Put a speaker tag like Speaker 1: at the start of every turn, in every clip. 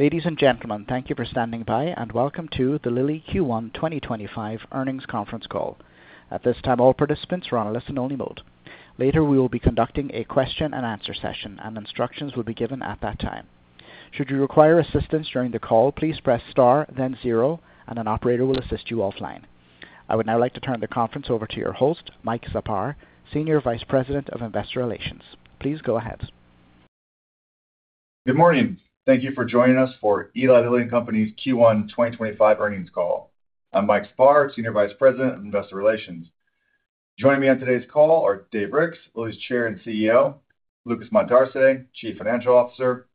Speaker 1: Ladies and gentlemen, thank you for standing by, and welcome to the Lilly Q1 2025 earnings conference call. At this time, all participants are on a listen-only mode. Later, we will be conducting a question-and-answer session, and instructions will be given at that time. Should you require assistance during the call, please press star, then zero, and an operator will assist you offline. I would now like to turn the conference over to your host, Mike Czapar, Senior Vice President of Investor Relations. Please go ahead.
Speaker 2: Good morning. Thank you for joining us for Eli Lilly and Company's Q1 2025 earnings call. I'm Mike Czapar, Senior Vice President of Investor Relations. Joining me on today's call are Dave Ricks, Lilly's Chair and CEO, Lucas Montarce, Chief Financial Officer,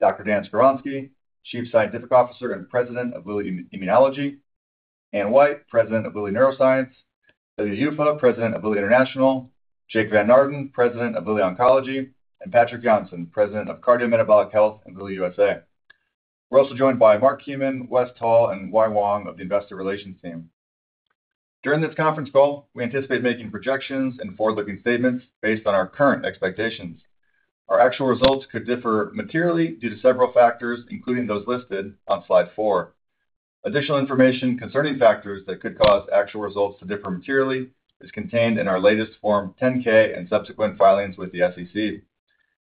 Speaker 2: Dr. Dan Skovronsky, Chief Scientific Officer and President of Lilly Immunology, Anne White, President of Lilly Neuroscience, Ilya Yuffa, President of Lilly International, Jake Van Naarden, President of Lilly Oncology, and Patrick Johnson, President of Cardiometabolic Health and Lilly USA. We're also joined by Marc Kemen, Wes Taul, and Wai Wong of the Investor Relations team. During this conference call, we anticipate making projections and forward-looking statements based on our current expectations. Our actual results could differ materially due to several factors, including those listed on slide four. Additional information concerning factors that could cause actual results to differ materially is contained in our latest Form 10-K and subsequent filings with the SEC.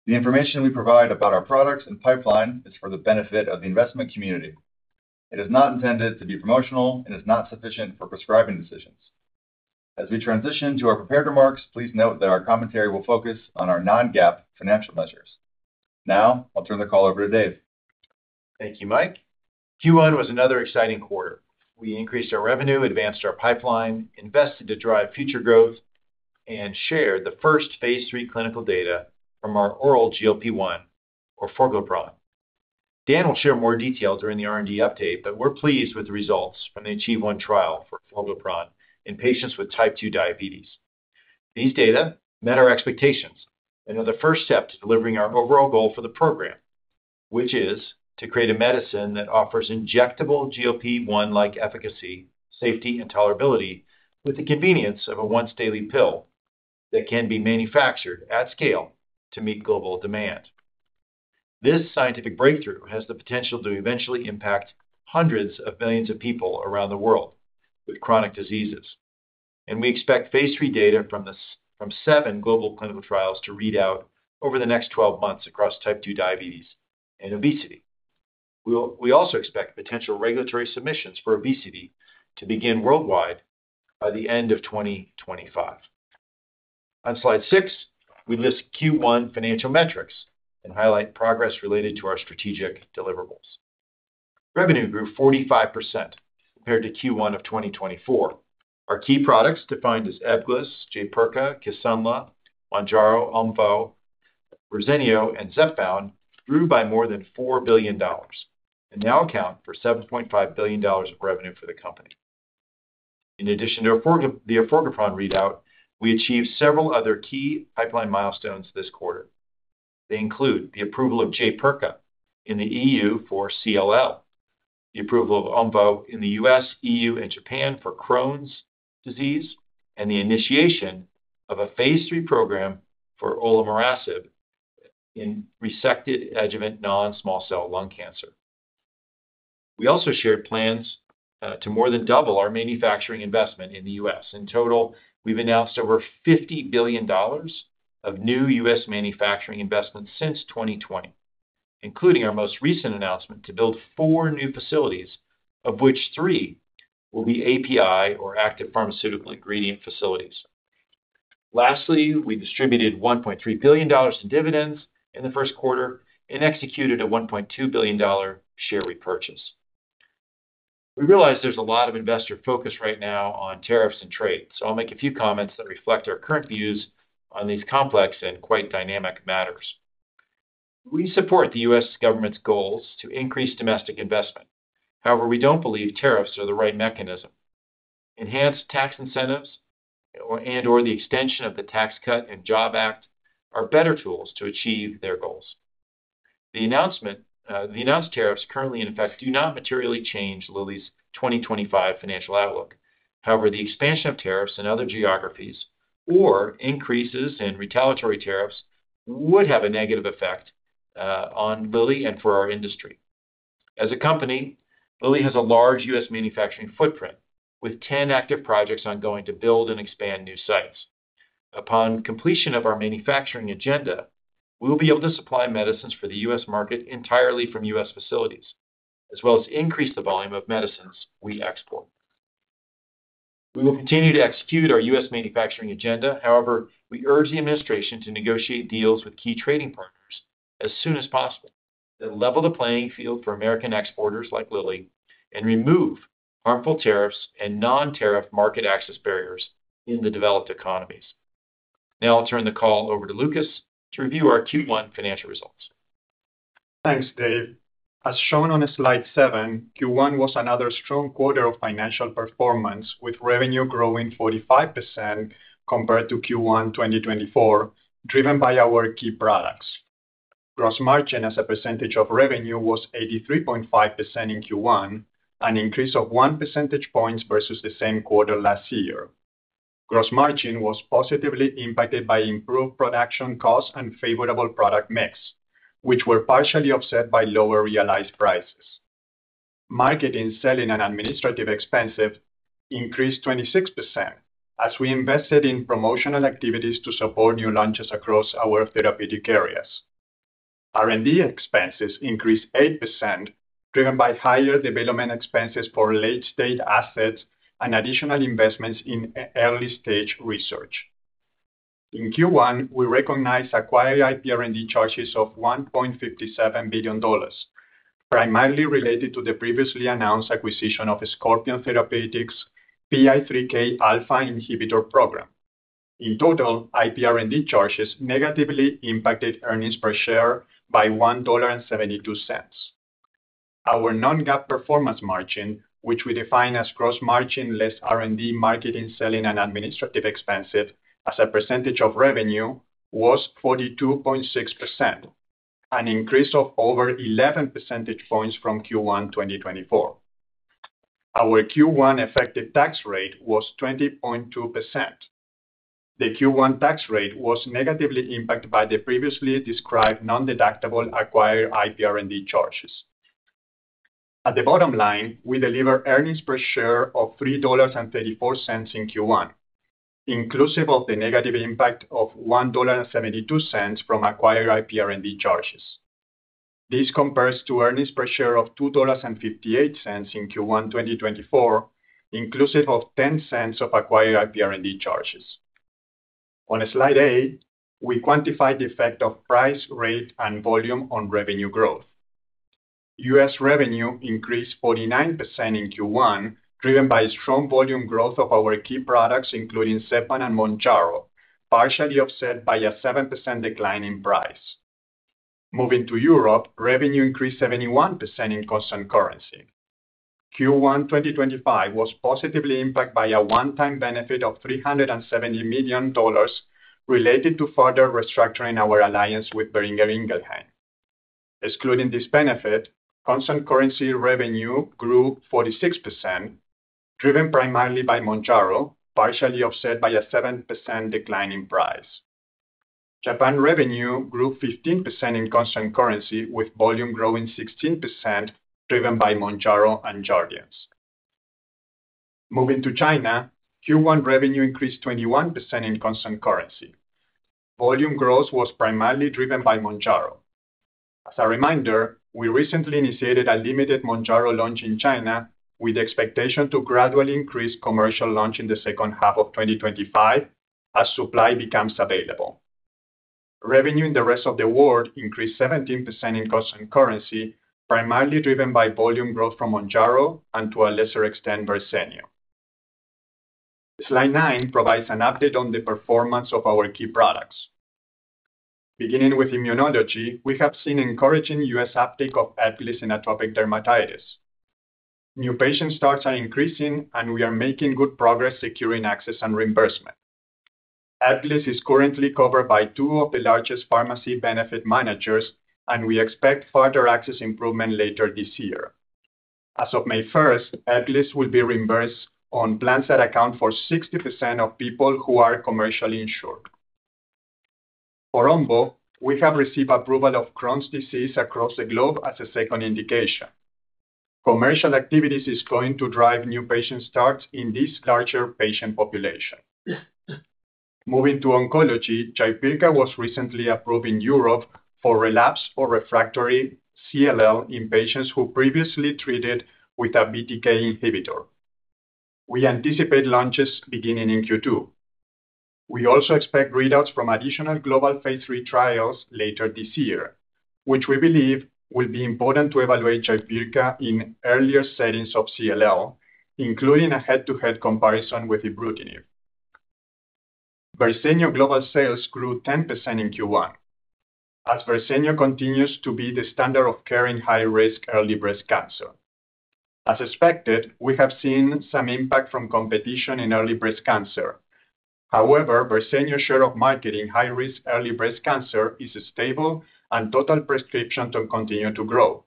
Speaker 2: The information we provide about our products and pipeline is for the benefit of the investment community. It is not intended to be promotional and is not sufficient for prescribing decisions. As we transition to our prepared remarks, please note that our commentary will focus on our non-GAAP financial measures. Now, I'll turn the call over to Dave.
Speaker 3: Thank you, Mike. Q1 was another exciting quarter. We increased our revenue, advanced our pipeline, invested to drive future growth, and shared the first phase III clinical data from our oral GLP-1, Orforglipron. Dan will share more details during the R&D update, but we're pleased with the results from the AchieveOne trial for Orforglipron in patients with type 2 diabetes. These data met our expectations and are the first step to delivering our overall goal for the program, which is to create a medicine that offers injectable GLP-1-like efficacy, safety, and tolerability with the convenience of a once-daily pill that can be manufactured at scale to meet global demand. This scientific breakthrough has the potential to eventually impact hundreds of millions of people around the world with chronic diseases, and we expect phase III data from seven global clinical trials to read out over the next 12 months across type 2 diabetes and obesity. We also expect potential regulatory submissions for obesity to begin worldwide by the end of 2025. On slide six, we list Q1 financial metrics and highlight progress related to our strategic deliverables. Revenue grew 45% compared to Q1 of 2024. Our key products, defined as Ebglyss, Jaypirca, Kisunla, Mounjaro, Omvoh, Verzenio, and Zepbound, grew by more than $4 billion and now account for $7.5 billion of revenue for the company. In addition to the Orforglipron readout, we achieved several other key pipeline milestones this quarter. They include the approval of Jaypirca in the EU for CLL, the approval of Omvoh in the US, EU, and Japan for Crohn's disease, and the initiation of a phase III program for Olomorasib in resected adjuvant non-small cell lung cancer. We also shared plans to more than double our manufacturing investment in the U.S. In total, we've announced over $50 billion of new U.S. manufacturing investment since 2020, including our most recent announcement to build four new facilities, of which three will be API or Active Pharmaceutical Ingredient facilities. Lastly, we distributed $1.3 billion in dividends in the first quarter and executed a $1.2 billion share repurchase. We realize there's a lot of investor focus right now on tariffs and trade, so I'll make a few comments that reflect our current views on these complex and quite dynamic matters. We support the U.S. government's goals to increase domestic investment. However, we don't believe tariffs are the right mechanism. Enhanced tax incentives and/or the extension of the Tax Cut and Jobs Act are better tools to achieve their goals. The announced tariffs currently, in effect, do not materially change Lilly's 2025 financial outlook. However, the expansion of tariffs in other geographies or increases in retaliatory tariffs would have a negative effect on Lilly and for our industry. As a company, Lilly has a large U.S. manufacturing footprint with 10 active projects ongoing to build and expand new sites. Upon completion of our manufacturing agenda, we will be able to supply medicines for the U.S. market entirely from US facilities, as well as increase the volume of medicines we export. We will continue to execute our U.S. manufacturing agenda. However, we urge the administration to negotiate deals with key trading partners as soon as possible that level the playing field for American exporters like Lilly and remove harmful tariffs and non-tariff market access barriers in the developed economies. Now, I'll turn the call over to Lucas to review our Q1 financial results.
Speaker 4: Thanks, Dave. As shown on slide seven, Q1 was another strong quarter of financial performance, with revenue growing 45% compared to Q1 2024, driven by our key products. Gross margin as a percentage of revenue was 83.5% in Q1, an increase of one percentage point versus the same quarter last year. Gross margin was positively impacted by improved production costs and favorable product mix, which were partially offset by lower realized prices. Marketing, selling, and administrative expenses increased 26% as we invested in promotional activities to support new launches across our therapeutic areas. R&D expenses increased 8%, driven by higher development expenses for late-stage assets and additional investments in early-stage research. In Q1, we recognized acquired IP R&D charges of $1.57 billion, primarily related to the previously announced acquisition of Scorpion Therapeutics' PI3K alpha inhibitor program. In total, IP R&D charges negatively impacted earnings per share by $1.72. Our non-GAAP performance margin, which we define as gross margin less R&D, marketing, selling, and administrative expenses as a percentage of revenue, was 42.6%, an increase of over 11 percentage points from Q1 2024. Our Q1 effective tax rate was 20.2%. The Q1 tax rate was negatively impacted by the previously described non-deductible acquired IP R&D charges. At the bottom line, we deliver earnings per share of $3.34 in Q1, inclusive of the negative impact of $1.72 from acquired IP R&D charges. This compares to earnings per share of $2.58 in Q1 2024, inclusive of $0.10 of acquired IP R&D charges. On slide eight, we quantify the effect of price, rate, and volume on revenue growth. U.S. revenue increased 49% in Q1, driven by strong volume growth of our key products, including Zepbound and Mounjaro, partially offset by a 7% decline in price. Moving to Europe, revenue increased 71% in constant currency. Q1 2025 was positively impacted by a one-time benefit of $370 million related to further restructuring our alliance with Boehringer Ingelheim. Excluding this benefit, constant currency revenue grew 46%, driven primarily by Mounjaro, partially offset by a 7% decline in price. Japan revenue grew 15% in constant currency, with volume growing 16%, driven by Mounjaro and Jardiance. Moving to China, Q1 revenue increased 21% in constant currency. Volume growth was primarily driven by Mounjaro. As a reminder, we recently initiated a limited Mounjaro launch in China with the expectation to gradually increase commercial launch in the second half of 2025 as supply becomes available. Revenue in the rest of the world increased 17% in constant currency, primarily driven by volume growth from Mounjaro and, to a lesser extent, Verzenio. Slide nine provides an update on the performance of our key products. Beginning with immunology, we have seen encouraging U.S. uptake of Ebglyss in atopic dermatitis. New patient starts are increasing, and we are making good progress securing access and reimbursement. Ebglyss is currently covered by two of the largest pharmacy benefit managers, and we expect further access improvement later this year. As of May 1st, Ebglyss will be reimbursed on plans that account for 60% of people who are commercially insured. For Omvoh, we have received approval of Crohn's disease across the globe as a second indication. Commercial activities are going to drive new patient starts in this larger patient population. Moving to oncology, Jaypirca was recently approved in Europe for relapsed or refractory CLL in patients who previously treated with a BTK inhibitor. We anticipate launches beginning in Q2. We also expect readouts from additional global phase III trials later this year, which we believe will be important to evaluate Jaypirca in earlier settings of CLL, including a head-to-head comparison with Ibrutinib. Verzenio global sales grew 10% in Q1, as Verzenio continues to be the standard of care in high-risk early breast cancer. As expected, we have seen some impact from competition in early breast cancer. However, Verzenio's share of market in high-risk early breast cancer is stable, and total prescription continues to grow.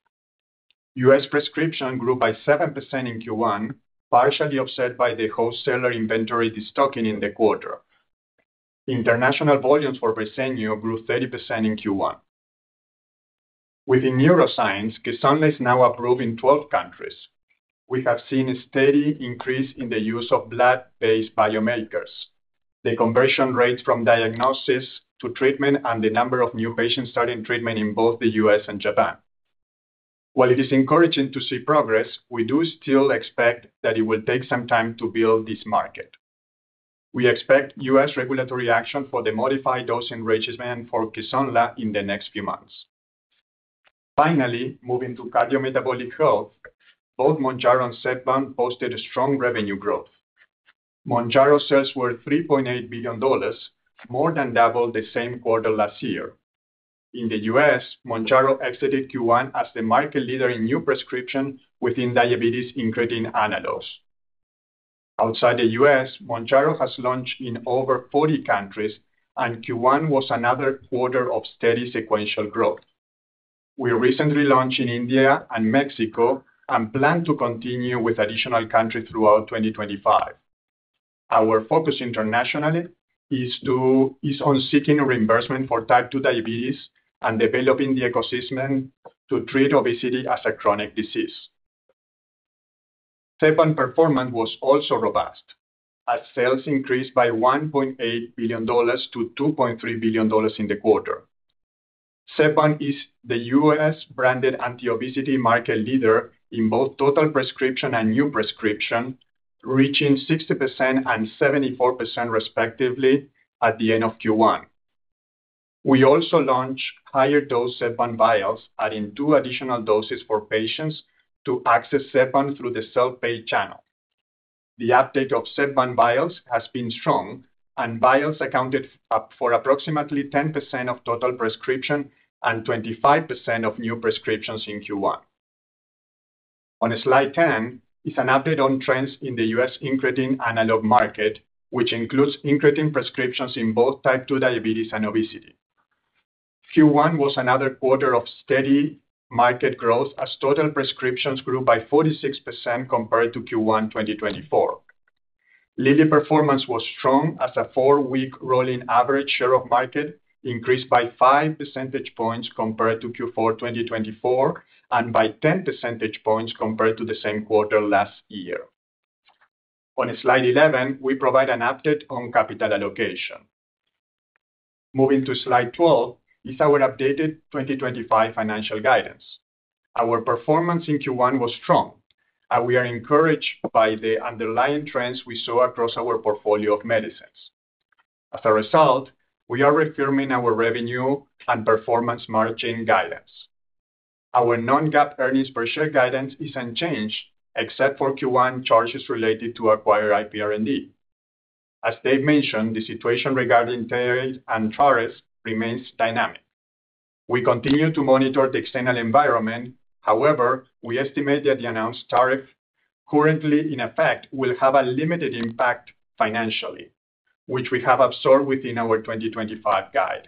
Speaker 4: U.S. prescription grew by 7% in Q1, partially offset by the wholesaler inventory destocking in the quarter. International volumes for Verzenio grew 30% in Q1. Within neuroscience, Kisunla is now approved in 12 countries. We have seen a steady increase in the use of blood-based biomarkers, the conversion rates from diagnosis to treatment, and the number of new patients starting treatment in both the U.S. and Japan. While it is encouraging to see progress, we do still expect that it will take some time to build this market. We expect U.S. regulatory action for the modified dose enrichment for Kisunla in the next few months. Finally, moving to cardiometabolic health, both Mounjaro and Zepbound posted strong revenue growth. Mounjaro sales were $3.8 billion, more than double the same quarter last year. In the U.S., Mounjaro exited Q1 as the market leader in new prescription within diabetes-increasing analogues. Outside the U.S., Mounjaro has launched in over 40 countries, and Q1 was another quarter of steady sequential growth. We recently launched in India and Mexico and plan to continue with additional countries throughout 2025. Our focus internationally is on seeking reimbursement for type 2 diabetes and developing the ecosystem to treat obesity as a chronic disease. Zepbound's performance was also robust, as sales increased by $1.8 billion-$2.3 billion in the quarter. Zepbound is the U.S.-branded anti-obesity market leader in both total prescription and new prescription, reaching 60% and 74% respectively at the end of Q1. We also launched higher-dose Zepbound vials adding two additional doses for patients to access Zepbound through the self-pay channel. The uptake of Zepbound vials has been strong, and vials accounted for approximately 10% of total prescription and 25% of new prescriptions in Q1. On slide 10 is an update on trends in the U.S. increasing analog market, which includes increasing prescriptions in both type 2 diabetes and obesity. Q1 was another quarter of steady market growth, as total prescriptions grew by 46% compared to Q1 2024. Lilly's performance was strong as a four-week rolling average share of market increased by 5% points compared to Q4 2024 and by 10% points compared to the same quarter last year. On slide 11, we provide an update on capital allocation. Moving to slide 12 is our updated 2025 financial guidance. Our performance in Q1 was strong, and we are encouraged by the underlying trends we saw across our portfolio of medicines. As a result, we are reaffirming our revenue and performance margin guidance. Our non-GAAP earnings per share guidance is unchanged except for Q1 charges related to acquired IP R&D. As Dave mentioned, the situation regarding Terry and Charis remains dynamic. We continue to monitor the external environment. However, we estimate that the announced tariff currently in effect will have a limited impact financially, which we have absorbed within our 2025 guide.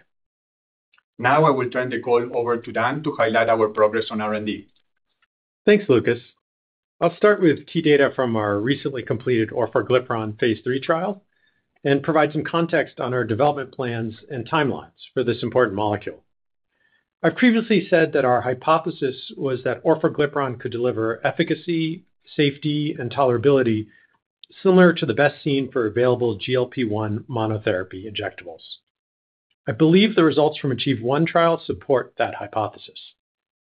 Speaker 4: Now, I will turn the call over to Dan to highlight our progress on R&D.
Speaker 5: Thanks, Lucas. I'll start with key data from our recently completed Orforglipron phase III trial and provide some context on our development plans and timelines for this important molecule. I've previously said that our hypothesis was that Orforglipron could deliver efficacy, safety, and tolerability similar to the best seen for available GLP-1 monotherapy injectables. I believe the results from achieved one trial support that hypothesis.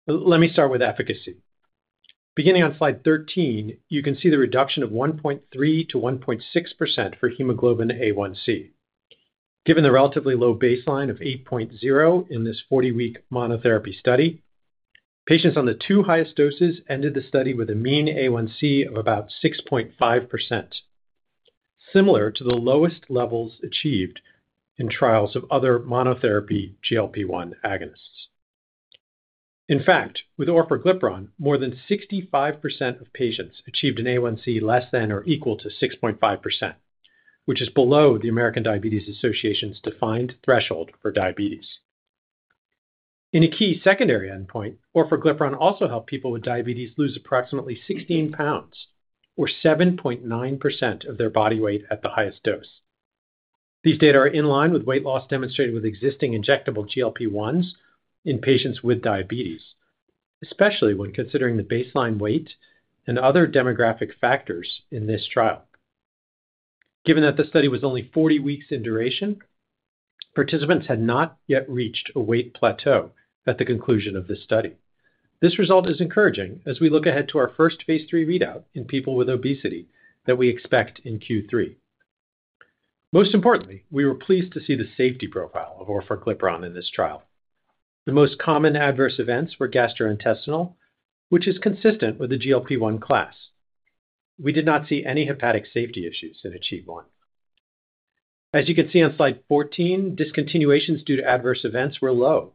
Speaker 5: Let me start with efficacy. Beginning on slide 13, you can see the reduction of 1.3%-1.6% for hemoglobin A1C. Given the relatively low baseline of 8.0 in this 40-week monotherapy study, patients on the two highest doses ended the study with a mean A1C of about 6.5%, similar to the lowest levels achieved in trials of other monotherapy GLP-1 agonists. In fact, with Orforglipron, more than 65% of patients achieved an A1C less than or equal to 6.5%, which is below the American Diabetes Association's defined threshold for diabetes. In a key secondary endpoint, Orforglipron also helped people with diabetes lose approximately 16 pounds or 7.9% of their body weight at the highest dose. These data are in line with weight loss demonstrated with existing injectable GLP-1s in patients with diabetes, especially when considering the baseline weight and other demographic factors in this trial. Given that the study was only 40 weeks in duration, participants had not yet reached a weight plateau at the conclusion of this study. This result is encouraging as we look ahead to our first phase III readout in people with obesity that we expect in Q3. Most importantly, we were pleased to see the safety profile of Orforglipron in this trial. The most common adverse events were gastrointestinal, which is consistent with the GLP-1 class. We did not see any hepatic safety issues in ACHIEVE-1. As you can see on slide 14, discontinuations due to adverse events were low,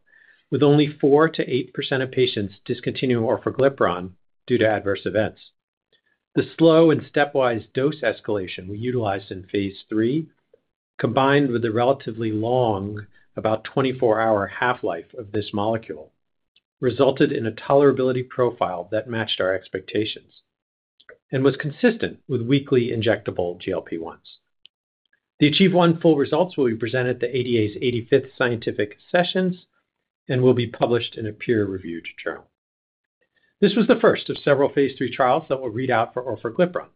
Speaker 5: with only 4%-8% of patients discontinuing Orforglipron due to adverse events. The slow and stepwise dose escalation we utilized in phase III, combined with the relatively long, about 24-hour half-life of this molecule, resulted in a tolerability profile that matched our expectations and was consistent with weekly injectable GLP-1s. The ACHIEVE-1 full results will be presented at the ADA's 85th scientific sessions and will be published in a peer-reviewed journal. This was the first of several phase III trials that were read out for Orforglipron.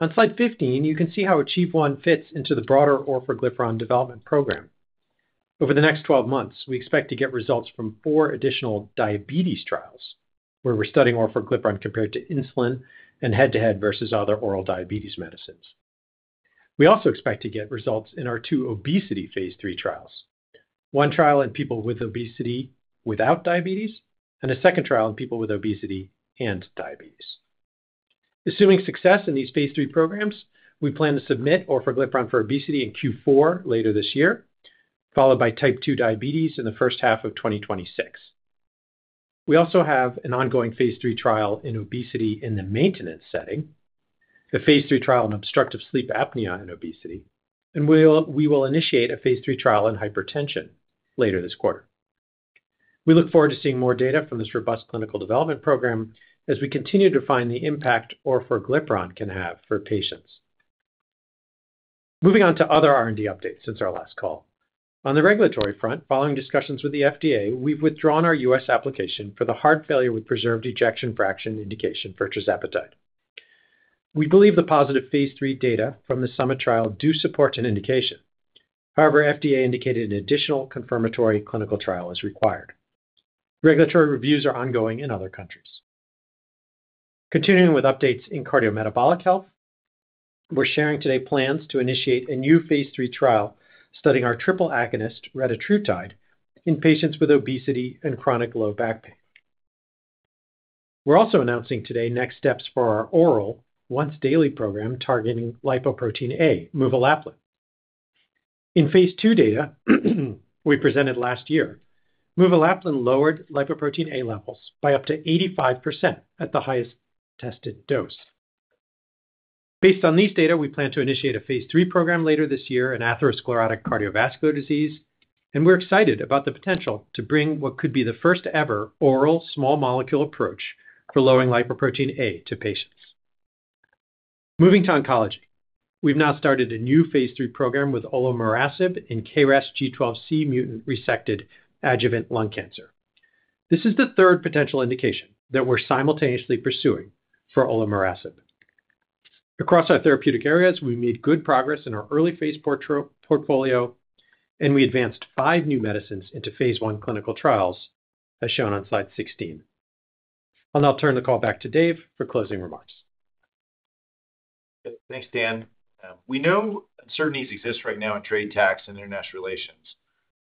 Speaker 5: On slide 15, you can see how ACHIEVE-1 fits into the broader Orforglipron development program. Over the next 12 months, we expect to get results from four additional diabetes trials where we're studying Orforglipron compared to insulin and head-to-head versus other oral diabetes medicines. We also expect to get results in our two obesity phase III trials, one trial in people with obesity without diabetes and a second trial in people with obesity and diabetes. Assuming success in these phase III programs, we plan to submit Orforglipron for obesity in Q4 later this year, followed by type 2 diabetes in the first half of 2026. We also have an ongoing phase III trial in obesity in the maintenance setting, a phase 3 trial in obstructive sleep apnea and obesity, and we will initiate a phase III trial in hypertension later this quarter. We look forward to seeing more data from this robust clinical development program as we continue to find the impact Orforglipron can have for patients. Moving on to other R&D updates since our last call. On the regulatory front, following discussions with the FDA, we've withdrawn our U.S. application for the heart failure with preserved ejection fraction indication for Tirzepatide. We believe the positive phase III data from the SUMMIT trial do support an indication. However, FDA indicated an additional confirmatory clinical trial is required. Regulatory reviews are ongoing in other countries. Continuing with updates in cardiometabolic health, we're sharing today plans to initiate a new phase III trial studying our triple agonist, Retatrutide, in patients with obesity and chronic low back pain. We're also announcing today next steps for our oral once-daily program targeting lipoprotein(a), Muvalaplin. In phase II data we presented last year, Muvalaplin lowered lipoprotein A levels by up to 85% at the highest tested dose. Based on these data, we plan to initiate a phase III program later this year in atherosclerotic cardiovascular disease, and we're excited about the potential to bring what could be the first-ever oral small molecule approach for lowering lipoprotein A to patients. Moving to oncology, we've now started a new phase III program with Olomorasib in KRAS G12C mutant resected adjuvant lung cancer. This is the third potential indication that we're simultaneously pursuing for Olomorasib. Across our therapeutic areas, we made good progress in our early phase portfolio, and we advanced five new medicines into phase I clinical trials, as shown on slide 16. I'll now turn the call back to Dave for closing remarks.
Speaker 3: Thanks, Dan. We know uncertainties exist right now in trade, tax, and international relations.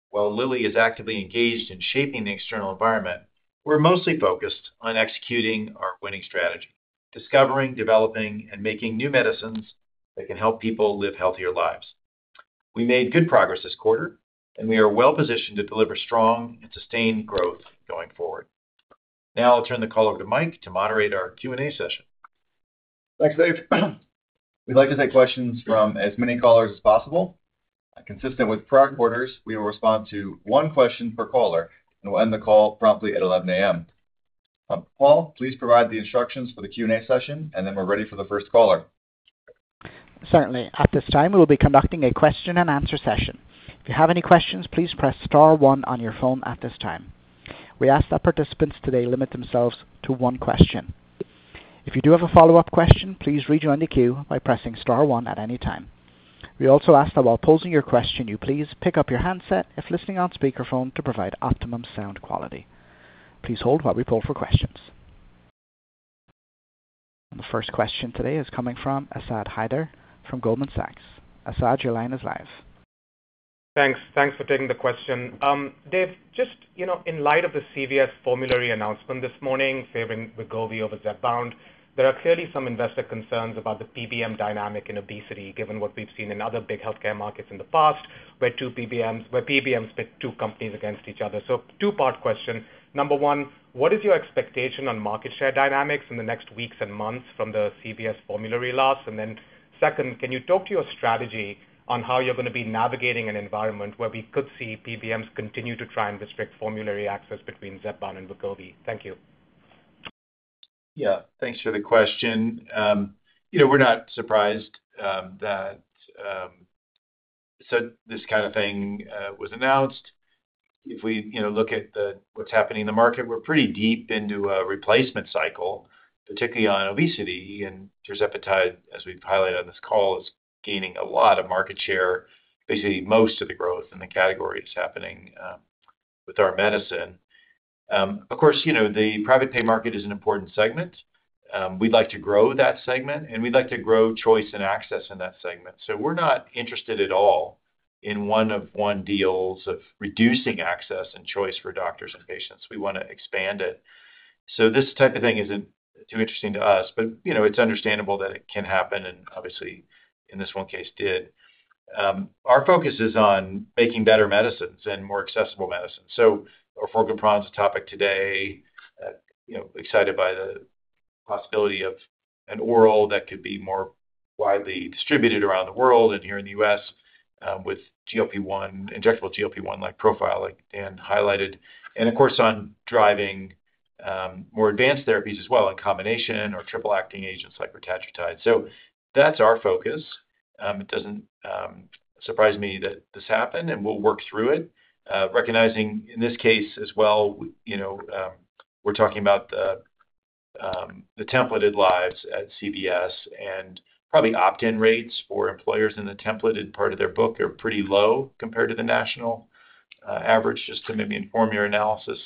Speaker 3: While Lilly is actively engaged in shaping the external environment, we're mostly focused on executing our winning strategy: discovering, developing, and making new medicines that can help people live healthier lives. We made good progress this quarter, and we are well-positioned to deliver strong and sustained growth going forward. Now, I'll turn the call over to Mike to moderate our Q&A session.
Speaker 2: Thanks, Dave. We'd like to take questions from as many callers as possible. Consistent with prior quarters, we will respond to one question per caller, and we'll end the call promptly at 11:00 A.M. Paul, please provide the instructions for the Q&A session, and then we're ready for the first caller.
Speaker 1: Certainly. At this time, we will be conducting a question-and-answer session. If you have any questions, please press star one on your phone at this time. We ask that participants today limit themselves to one question. If you do have a follow-up question, please rejoin the queue by pressing star one at any time. We also ask that while posing your question, you please pick up your handset if listening on speakerphone to provide optimum sound quality. Please hold while we pull for questions. The first question today is coming from Asad Haider from Goldman Sachs. Asad, your line is live.
Speaker 6: Thanks. Thanks for taking the question. Dave, just in light of the CVS formulary announcement this morning favoring Wegovy over Zepbound, there are clearly some investor concerns about the PBM dynamic in obesity given what we've seen in other big healthcare markets in the past where PBMs pit two companies against each other. Two-part question. Number one, what is your expectation on market share dynamics in the next weeks and months from the CVS formulary loss? Second, can you talk to your strategy on how you're going to be navigating an environment where we could see PBMs continue to try and restrict formulary access between Zepbound and Wegovy? Thank you.
Speaker 3: Yeah. Thanks for the question. We're not surprised that this kind of thing was announced. If we look at what's happening in the market, we're pretty deep into a replacement cycle, particularly on obesity, and Tirzepatide, as we've highlighted on this call, is gaining a lot of market share, basically most of the growth in the category is happening with our medicine. Of course, the private pay market is an important segment. We'd like to grow that segment, and we'd like to grow choice and access in that segment. We're not interested at all in one-of-one deals of reducing access and choice for doctors and patients. We want to expand it. This type of thing isn't too interesting to us, but it's understandable that it can happen, and obviously, in this one case, did. Our focus is on making better medicines and more accessible medicines. Orforglipron is a topic today, excited by the possibility of an oral that could be more widely distributed around the world and here in the U.S. with injectable GLP-1-like profile, like Dan highlighted, and of course, on driving more advanced therapies as well in combination or triple-acting agents like Retatrutide. That is our focus. It does not surprise me that this happened, and we will work through it, recognizing in this case as well, we are talking about the templated lives at CVS, and probably opt-in rates for employers in the templated part of their book are pretty low compared to the national average, just to maybe inform your analysis.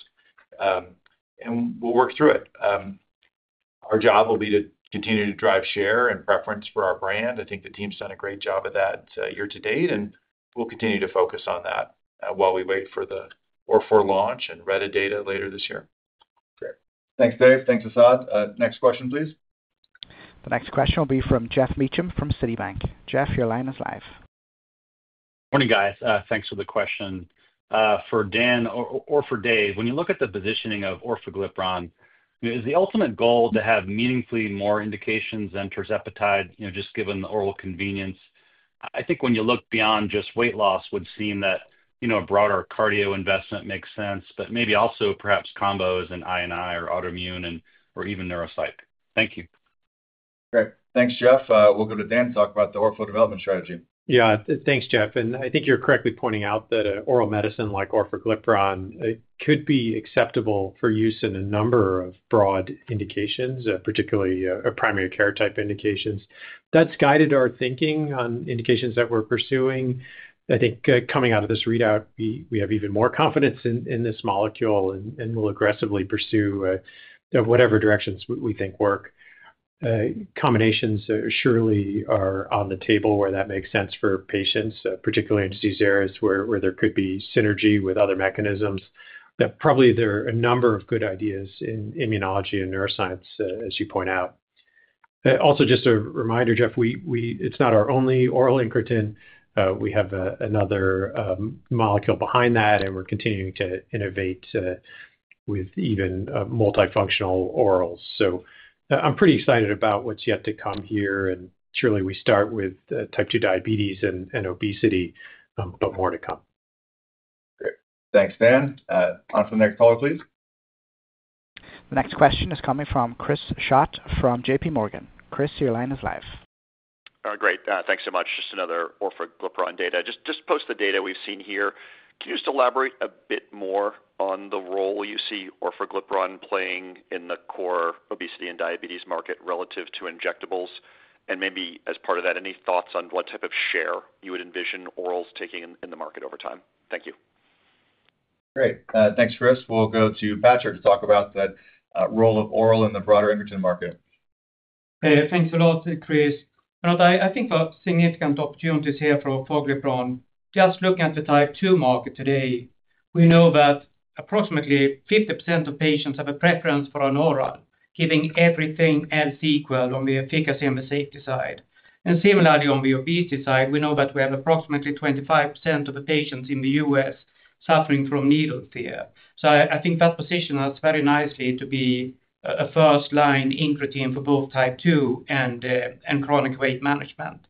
Speaker 3: We will work through it. Our job will be to continue to drive share and preference for our brand. I think the team's done a great job of that year to date, and we'll continue to focus on that while we wait for the Orforglipron launch and Retatrutide data later this year.
Speaker 2: Thanks, Dave. Thanks, Asad. Next question, please.
Speaker 1: The next question will be from Jeff Meacham from Citi. Jeff, your line is live.
Speaker 7: Morning, guys. Thanks for the question. For Dan or for Dave, when you look at the positioning of Orforglipron, is the ultimate goal to have meaningfully more indications than Tirzepatide just given the oral convenience? I think when you look beyond just weight loss, it would seem that a broader cardio investment makes sense, but maybe also perhaps combos and immunology or autoimmune or even neuropsych. Thank you.
Speaker 2: Great. Thanks, Jeff. We'll go to Dan to talk about the Orforglipron development strategy.
Speaker 5: Yeah. Thanks, Jeff. I think you're correctly pointing out that an oral medicine like Orforglipron could be acceptable for use in a number of broad indications, particularly primary care type indications. That's guided our thinking on indications that we're pursuing. I think coming out of this readout, we have even more confidence in this molecule and will aggressively pursue whatever directions we think work. Combinations surely are on the table where that makes sense for patients, particularly in disease areas where there could be synergy with other mechanisms. Probably there are a number of good ideas in immunology and neuroscience, as you point out. Also, just a reminder, Jeff, it's not our only oral incretin. We have another molecule behind that, and we're continuing to innovate with even multifunctional orals. I'm pretty excited about what's yet to come here. We start with type 2 diabetes and obesity, but more to come.
Speaker 2: Great. Thanks, Dan. On from the next caller, please.
Speaker 1: The next question is coming from Chris Schott from J.P. Morgan. Chris, your line is live.
Speaker 8: Great. Thanks so much. Just another Orforglipron data. Just post the data we've seen here. Can you just elaborate a bit more on the role you see Orforglipron playing in the core obesity and diabetes market relative to injectables? Maybe as part of that, any thoughts on what type of share you would envision orals taking in the market over time? Thank you.
Speaker 2: Great. Thanks, Chris. We'll go to Patrick to talk about the role of oral in the broader incretin market.
Speaker 9: Hey, thanks a lot, Chris. I think there are significant opportunities here for Orforglipron. Just looking at the type 2 market today, we know that approximately 50% of patients have a preference for an oral, giving everything else equal on the efficacy and the safety side. Similarly, on the obesity side, we know that we have approximately 25% of the patients in the U.S. suffering from needle fear. I think that positions us very nicely to be a first-line incretin for both type 2 and chronic weight management.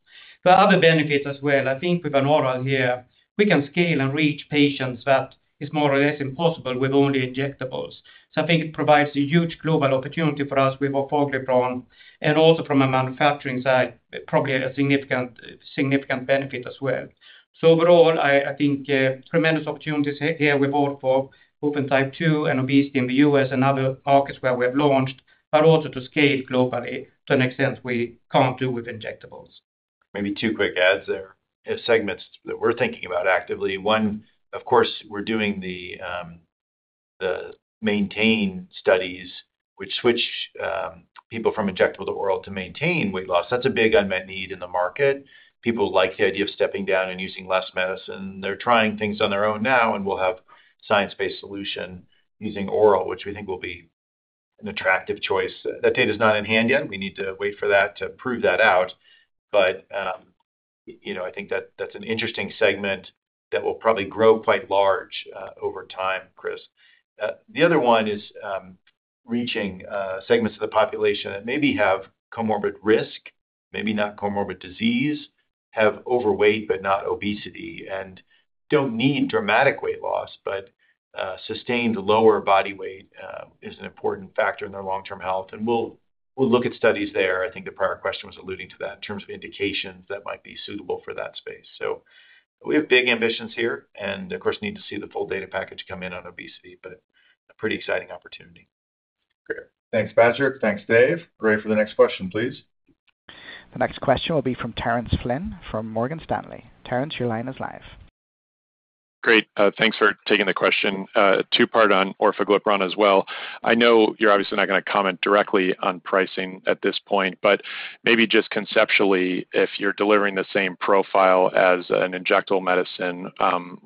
Speaker 9: There are other benefits as well. I think with an oral here, we can scale and reach patients that is more or less impossible with only injectables. I think it provides a huge global opportunity for us with Orforglipron and also from a manufacturing side, probably a significant benefit as well. Overall, I think tremendous opportunities here with Orforglipron, both in type 2 and obesity in the U..S and other markets where we have launched, but also to scale globally to an extent we can't do with injectables.
Speaker 3: Maybe two quick adds there. Segments that we're thinking about actively. One, of course, we're doing the maintain studies, which switch people from injectable to oral to maintain weight loss. That's a big unmet need in the market. People like the idea of stepping down and using less medicine. They're trying things on their own now, and we'll have a science-based solution using oral, which we think will be an attractive choice. That data is not in hand yet. We need to wait for that to prove that out. I think that that's an interesting segment that will probably grow quite large over time, Chris. The other one is reaching segments of the population that maybe have comorbid risk, maybe not comorbid disease, have overweight but not obesity, and don't need dramatic weight loss, but sustained lower body weight is an important factor in their long-term health. We will look at studies there. I think the prior question was alluding to that in terms of indications that might be suitable for that space. We have big ambitions here, and of course, need to see the full data package come in on obesity, but a pretty exciting opportunity.
Speaker 2: Great. Thanks, Patrick. Thanks, Dave. Ready for the next question, please.
Speaker 1: The next question will be from Terence Flynn from Morgan Stanley. Terence, your line is live.
Speaker 10: Great. Thanks for taking the question. Two-part on Orforglipron as well. I know you're obviously not going to comment directly on pricing at this point, but maybe just conceptually, if you're delivering the same profile as an injectable medicine,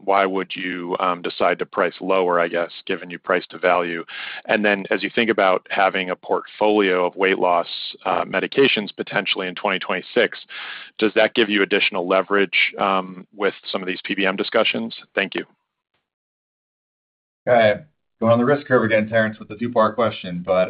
Speaker 10: why would you decide to price lower, I guess, given your price to value? As you think about having a portfolio of weight loss medications potentially in 2026, does that give you additional leverage with some of these PBM discussions? Thank you.
Speaker 2: Going on the risk curve again, Terence, with the two-part question, but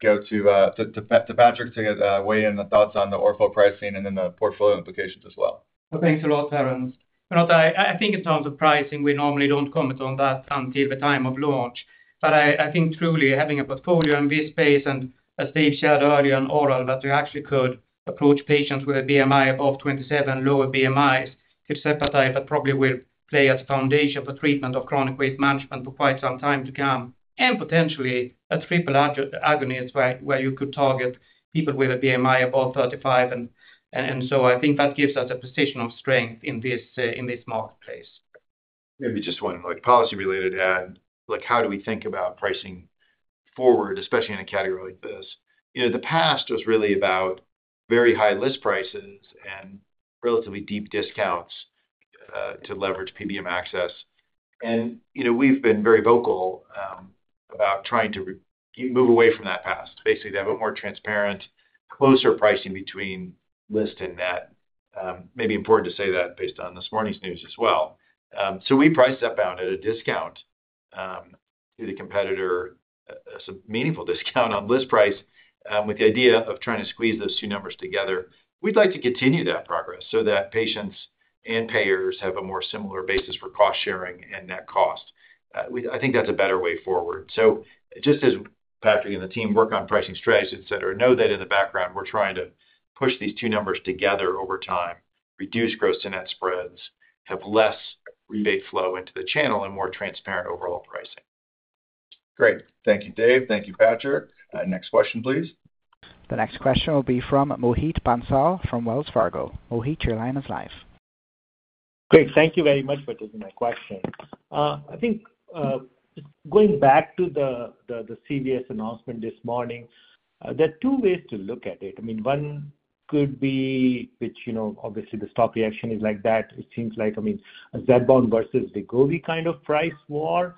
Speaker 2: go to Patrick to weigh in the thoughts on the Orforglipron pricing and then the portfolio implications as well.
Speaker 9: Thanks a lot, Terence. I think in terms of pricing, we normally do not comment on that until the time of launch. I think truly having a portfolio in this space, and as Dave shared earlier on oral, that you actually could approach patients with a BMI above 27, lower BMIs, tirzepatide that probably will play as a foundation for treatment of chronic weight management for quite some time to come, and potentially a triple agonist where you could target people with a BMI above 35. I think that gives us a position of strength in this marketplace.
Speaker 3: Maybe just one policy-related ad. How do we think about pricing forward, especially in a category like this? The past was really about very high list prices and relatively deep discounts to leverage PBM access. We have been very vocal about trying to move away from that past. Basically, to have a more transparent, closer pricing between list and net. Maybe important to say that based on this morning's news as well. We priced Zepbound at a discount to the competitor, a meaningful discount on list price, with the idea of trying to squeeze those two numbers together. We would like to continue that progress so that patients and payers have a more similar basis for cost-sharing and net cost. I think that is a better way forward. Just as Patrick and the team work on pricing strategies, etc., know that in the background, we're trying to push these two numbers together over time, reduce gross to net spreads, have less rebate flow into the channel, and more transparent overall pricing.
Speaker 2: Great. Thank you, Dave. Thank you, Patrick. Next question, please.
Speaker 1: The next question will be from Mohit Bansal from Wells Fargo. Mohit, your line is live.
Speaker 11: Great. Thank you very much for taking my question. I think going back to the CVS announcement this morning, there are two ways to look at it. I mean, one could be, which obviously the stock reaction is like that. It seems like, I mean, a Zepbound versus Wegovy kind of price war.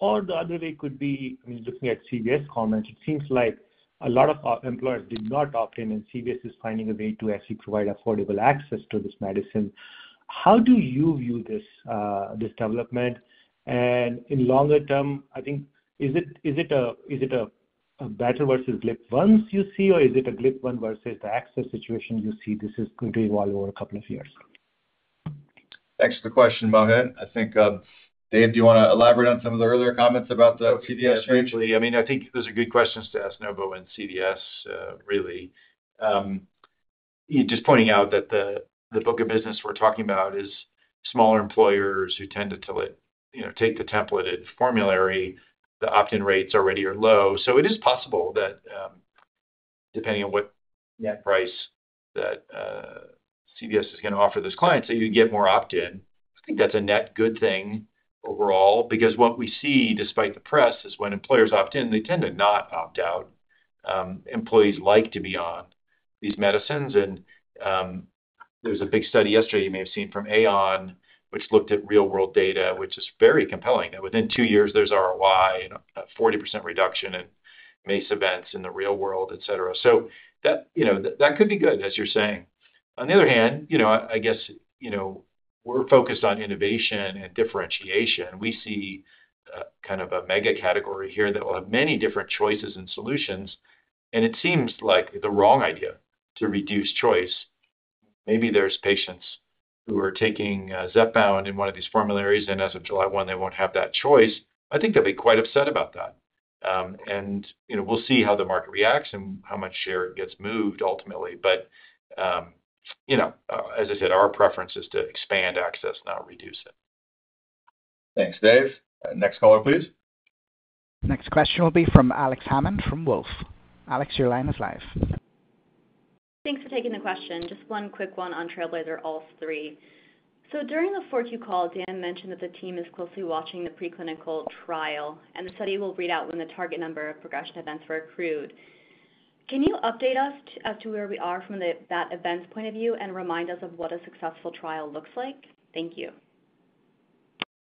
Speaker 11: The other way could be, I mean, looking at CVS comments, it seems like a lot of employers did not opt in, and CVS is finding a way to actually provide affordable access to this medicine. How do you view this development? In longer term, I think, is it a better versus GLP-1s you see, or is it a GLP-1 versus the access situation you see this is going to evolve over a couple of years?
Speaker 2: Thanks for the question, Mohit. I think, Dave, do you want to elaborate on some of the earlier comments about the CVS range?
Speaker 3: Essentially, I mean, I think those are good questions to ask Novo and CVS, really. Just pointing out that the book of business we're talking about is smaller employers who tend to take the templated formulary. The opt-in rates already are low. It is possible that, depending on what net price that CVS is going to offer those clients, that you get more opt-in. I think that's a net good thing overall because what we see, despite the press, is when employers opt in, they tend to not opt out. Employees like to be on these medicines. There was a big study yesterday you may have seen from Aon, which looked at real-world data, which is very compelling. Within two years, there's ROI, a 40% reduction in MACE events in the real world, etc. That could be good, as you're saying. On the other hand, I guess we're focused on innovation and differentiation. We see kind of a mega category here that will have many different choices and solutions. It seems like the wrong idea to reduce choice. Maybe there's patients who are taking Zepbound in one of these formularies, and as of July 1, they won't have that choice. I think they'll be quite upset about that. We'll see how the market reacts and how much share gets moved ultimately. As I said, our preference is to expand access, not reduce it.
Speaker 2: Thanks, Dave. Next caller, please.
Speaker 1: Next question will be from Alex Hammond from Wolfe. Alex, your line is live.
Speaker 12: Thanks for taking the question. Just one quick one on Trailblazer-ALZ 3. During the fourth call, Dan mentioned that the team is closely watching the preclinical trial, and the study will read out when the target number of progression events were accrued. Can you update us as to where we are from that event's point of view and remind us of what a successful trial looks like? Thank you.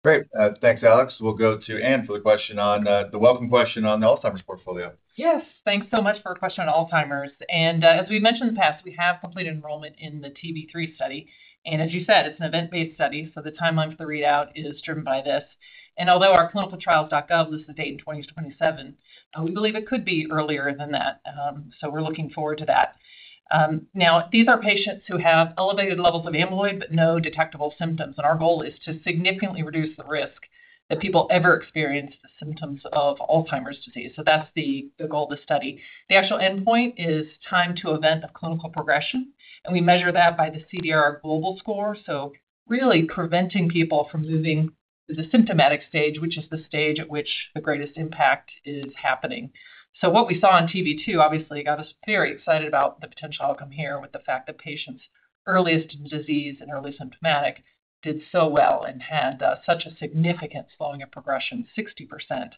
Speaker 2: Great. Thanks, Alex. We'll go to Anne for the question on the welcome question on the Alzheimer's portfolio.
Speaker 13: Yes. Thanks so much for a question on Alzheimer's. As we've mentioned in the past, we have completed enrollment in the TB3 study. As you said, it's an event-based study. The timeline for the readout is driven by this. Although our clinicaltrials.gov lists the date in 2027, we believe it could be earlier than that. We're looking forward to that. These are patients who have elevated levels of amyloid but no detectable symptoms. Our goal is to significantly reduce the risk that people ever experience the symptoms of Alzheimer's disease. That's the goal of the study. The actual endpoint is time to event of clinical progression. We measure that by the CDR Global Score. Really preventing people from moving to the symptomatic stage, which is the stage at which the greatest impact is happening.
Speaker 2: What we saw in TB2, obviously, got us very excited about the potential outcome here with the fact that patients earliest in disease and early symptomatic did so well and had such a significant slowing of progression, 60%.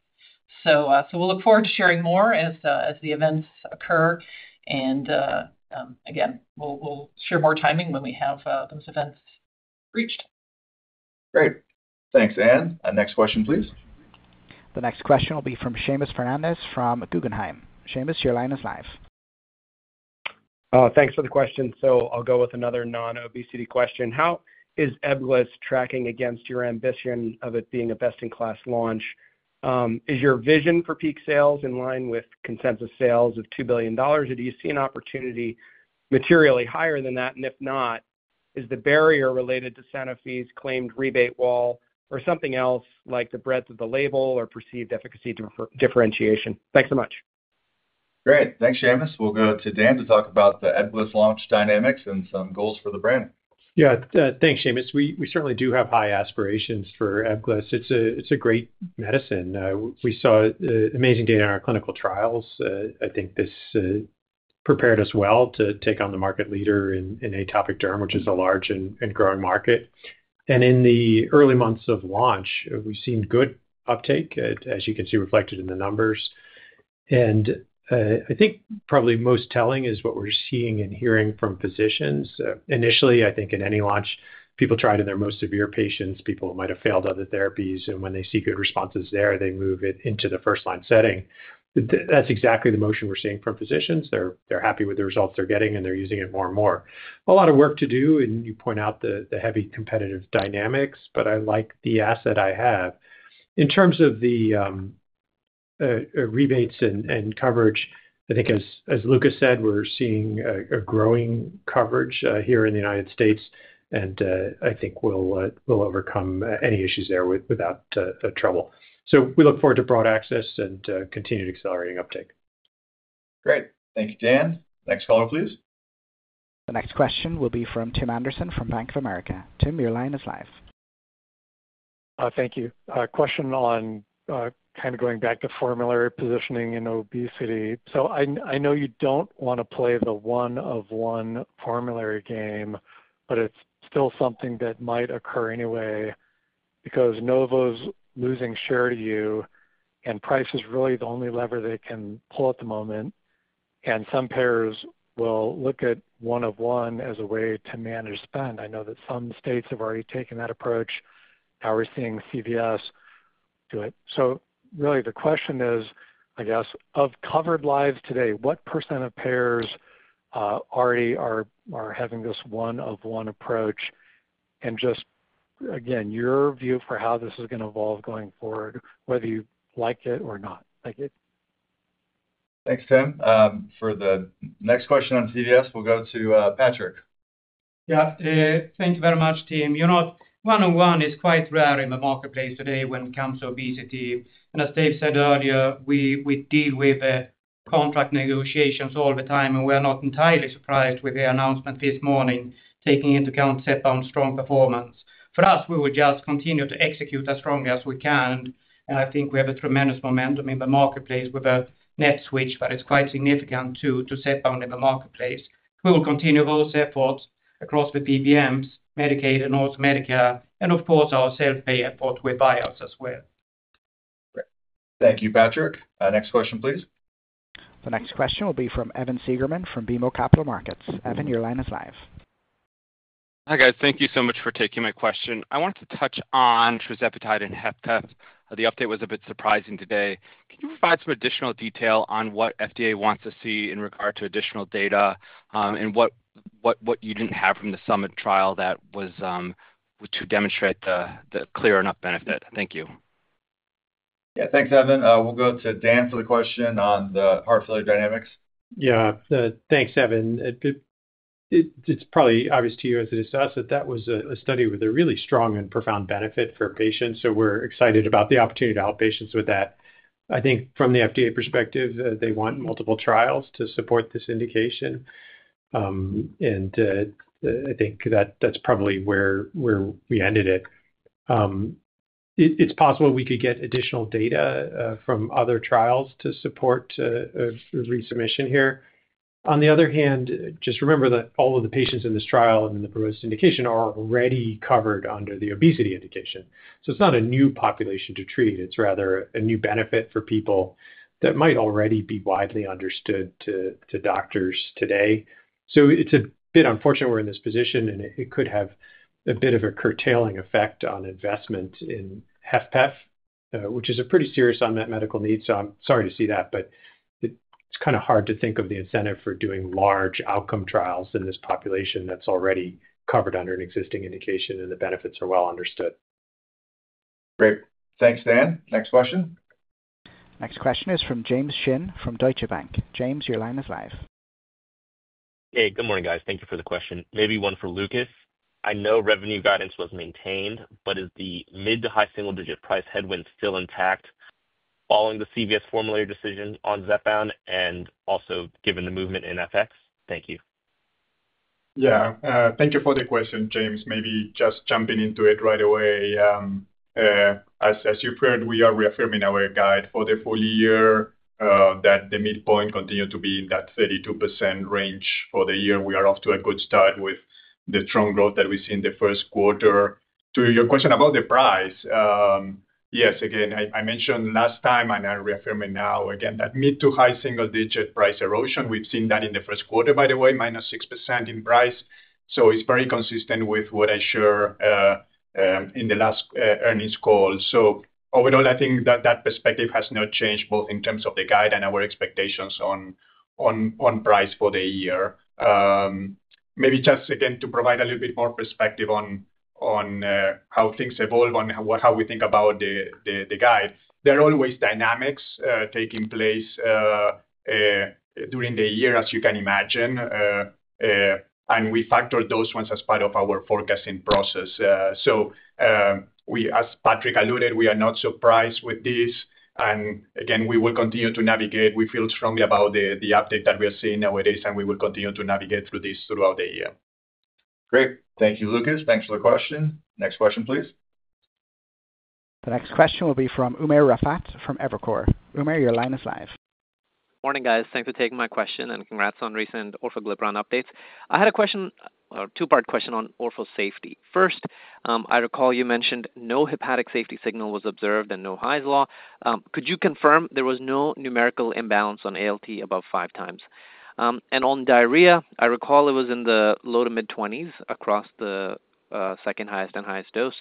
Speaker 2: We will look forward to sharing more as the events occur. Again, we will share more timing when we have those events reached. Great. Thanks, Anne. Next question, please.
Speaker 1: The next question will be from Seamus Fernandez from Guggenheim. Seamus, your line is live.
Speaker 14: Thanks for the question. I'll go with another non-obesity question. How is Ebglyss tracking against your ambition of it being a best-in-class launch? Is your vision for peak sales in line with consensus sales of $2 billion, or do you see an opportunity materially higher than that? If not, is the barrier related to Sanofi's claimed rebate wall or something else like the breadth of the label or perceived efficacy differentiation? Thanks so much.
Speaker 2: Great. Thanks, Seamus. We'll go to Dan to talk about the Ebglyss launch dynamics and some goals for the brand.
Speaker 3: Yeah. Thanks, Seamus. We certainly do have high aspirations for Ebglyss. It's a great medicine. We saw amazing data in our clinical trials. I think this prepared us well to take on the market leader in atopic derm, which is a large and growing market. In the early months of launch, we've seen good uptake, as you can see reflected in the numbers. I think probably most telling is what we're seeing and hearing from physicians. Initially, I think in any launch, people try it in their most severe patients, people who might have failed other therapies, and when they see good responses there, they move it into the first-line setting. That's exactly the motion we're seeing from physicians. They're happy with the results they're getting, and they're using it more and more. A lot of work to do, and you point out the heavy competitive dynamics, but I like the asset I have. In terms of the rebates and coverage, I think as Lucas said, we're seeing a growing coverage here in the United States and I think we'll overcome any issues there without trouble. We look forward to broad access and continued accelerating uptake.
Speaker 2: Great. Thank you, Dan. Next caller, please.
Speaker 1: The next question will be from Tim Anderson from Bank of America. Tim, your line is live.
Speaker 15: Thank you. Question on kind of going back to formulary positioning in obesity. I know you do not want to play the one-of-one formulary game, but it is still something that might occur anyway because Novo is losing share to you, and price is really the only lever they can pull at the moment. Some payers will look at one-of-one as a way to manage spend. I know that some states have already taken that approach. Now we are seeing CVS do it. The question is, I guess, of covered lives today, what percentage of payers already are having this one-of-one approach? Just, again, your view for how this is going to evolve going forward, whether you like it or not.
Speaker 2: Thanks, Tim. For the next question on CVS, we'll go to Patrick.
Speaker 9: Yeah. Thank you very much, Tim. One-of-one is quite rare in the marketplace today when it comes to obesity. As Dave said earlier, we deal with contract negotiations all the time, and we are not entirely surprised with the announcement this morning taking into account Zepbound's strong performance. For us, we will just continue to execute as strongly as we can. I think we have a tremendous momentum in the marketplace with a net switch, but it's quite significant to Zepbound in the marketplace. We will continue those efforts across the PBMs, Medicaid, and also Medicare, and of course, our self-pay effort with buyouts as well.
Speaker 2: Thank you, Patrick. Next question, please.
Speaker 1: The next question will be from Evan Seigerman from BMO Capital Markets. Evan, your line is live.
Speaker 16: Hi, guys. Thank you so much for taking my question. I wanted to touch on Tirzepatide and HFpEF. The update was a bit surprising today. Can you provide some additional detail on what FDA wants to see in regard to additional data and what you didn't have from the summit trial that was to demonstrate the clear enough benefit? Thank you.
Speaker 2: Yeah. Thanks, Evan. We'll go to Dan for the question on the heart failure dynamics.
Speaker 3: Yeah. Thanks, Evan. It's probably obvious to you as it is to us that that was a study with a really strong and profound benefit for patients. We're excited about the opportunity to help patients with that. I think from the FDA perspective, they want multiple trials to support this indication. I think that's probably where we ended it. It's possible we could get additional data from other trials to support resubmission here. On the other hand, just remember that all of the patients in this trial and in the proposed indication are already covered under the obesity indication. It's not a new population to treat. It's rather a new benefit for people that might already be widely understood to doctors today. It is a bit unfortunate we're in this position, and it could have a bit of a curtailing effect on investment in HFpEF, which is a pretty serious unmet medical need. I'm sorry to see that, but it's kind of hard to think of the incentive for doing large outcome trials in this population that's already covered under an existing indication, and the benefits are well understood.
Speaker 2: Great. Thanks, Dan. Next question.
Speaker 1: Next question is from James Shin from Deutsche Bank. James, your line is live.
Speaker 17: Hey, good morning, guys. Thank you for the question. Maybe one for Lucas. I know revenue guidance was maintained, but is the mid to high single-digit price headwind still intact following the CVS formulary decision on Zepbound and also given the movement in FX? Thank you.
Speaker 4: Yeah. Thank you for the question, James. Maybe just jumping into it right away. As you've heard, we are reaffirming our guide for the full year that the midpoint continued to be in that 32% range for the year. We are off to a good start with the strong growth that we've seen in the first quarter. To your question about the price, yes, again, I mentioned last time, and I'm reaffirming now again that mid to high single-digit price erosion. We've seen that in the first quarter, by the way, minus 6% in price. It's very consistent with what I shared in the last earnings call. Overall, I think that perspective has not changed both in terms of the guide and our expectations on price for the year. Maybe just, again, to provide a little bit more perspective on how things evolve and how we think about the guide. There are always dynamics taking place during the year, as you can imagine. We factor those ones as part of our forecasting process. As Patrick alluded, we are not surprised with this. Again, we will continue to navigate. We feel strongly about the update that we are seeing nowadays, and we will continue to navigate through this throughout the year.
Speaker 2: Great. Thank you, Lucas. Thanks for the question. Next question, please.
Speaker 1: The next question will be from Umer Raffat from Evercore. Umer, your line is live.
Speaker 18: Morning, guys. Thanks for taking my question, and congrats on recent Orforglipron updates. I had a question, or a two-part question on Orforglipron safety. First, I recall you mentioned no hepatic safety signal was observed and no Hy's law. Could you confirm there was no numerical imbalance on ALT above 5x? On diarrhea, I recall it was in the low to mid-20% across the second highest and highest dose.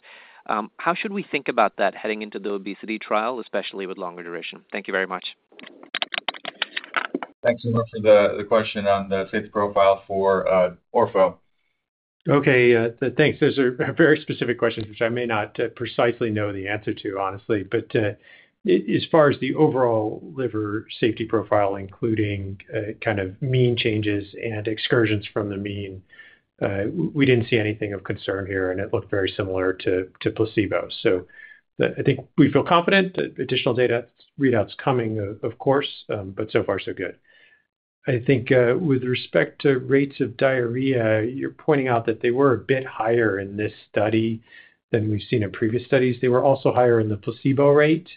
Speaker 18: How should we think about that heading into the obesity trial, especially with longer duration? Thank you very much.
Speaker 2: Thanks so much for the question on the safety profile for Orforglipron.
Speaker 5: Okay. Thanks. Those are very specific questions, which I may not precisely know the answer to, honestly. As far as the overall liver safety profile, including kind of mean changes and excursions from the mean, we did not see anything of concern here, and it looked very similar to placebo. I think we feel confident. Additional data readouts coming, of course, but so far, so good. I think with respect to rates of diarrhea, you're pointing out that they were a bit higher in this study than we've seen in previous studies. They were also higher in the placebo rate.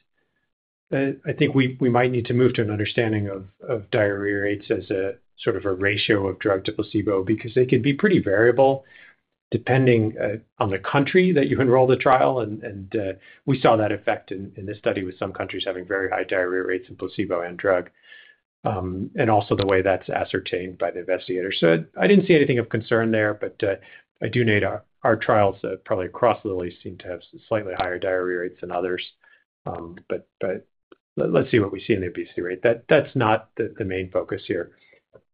Speaker 5: I think we might need to move to an understanding of diarrhea rates as a sort of a ratio of drug to placebo because they can be pretty variable depending on the country that you enroll the trial. We saw that effect in this study with some countries having very high diarrhea rates in placebo and drug, and also the way that's ascertained by the investigator. I did not see anything of concern there, but I do know our trials probably across the least seem to have slightly higher diarrhea rates than others. Let's see what we see in the obesity rate. That's not the main focus here.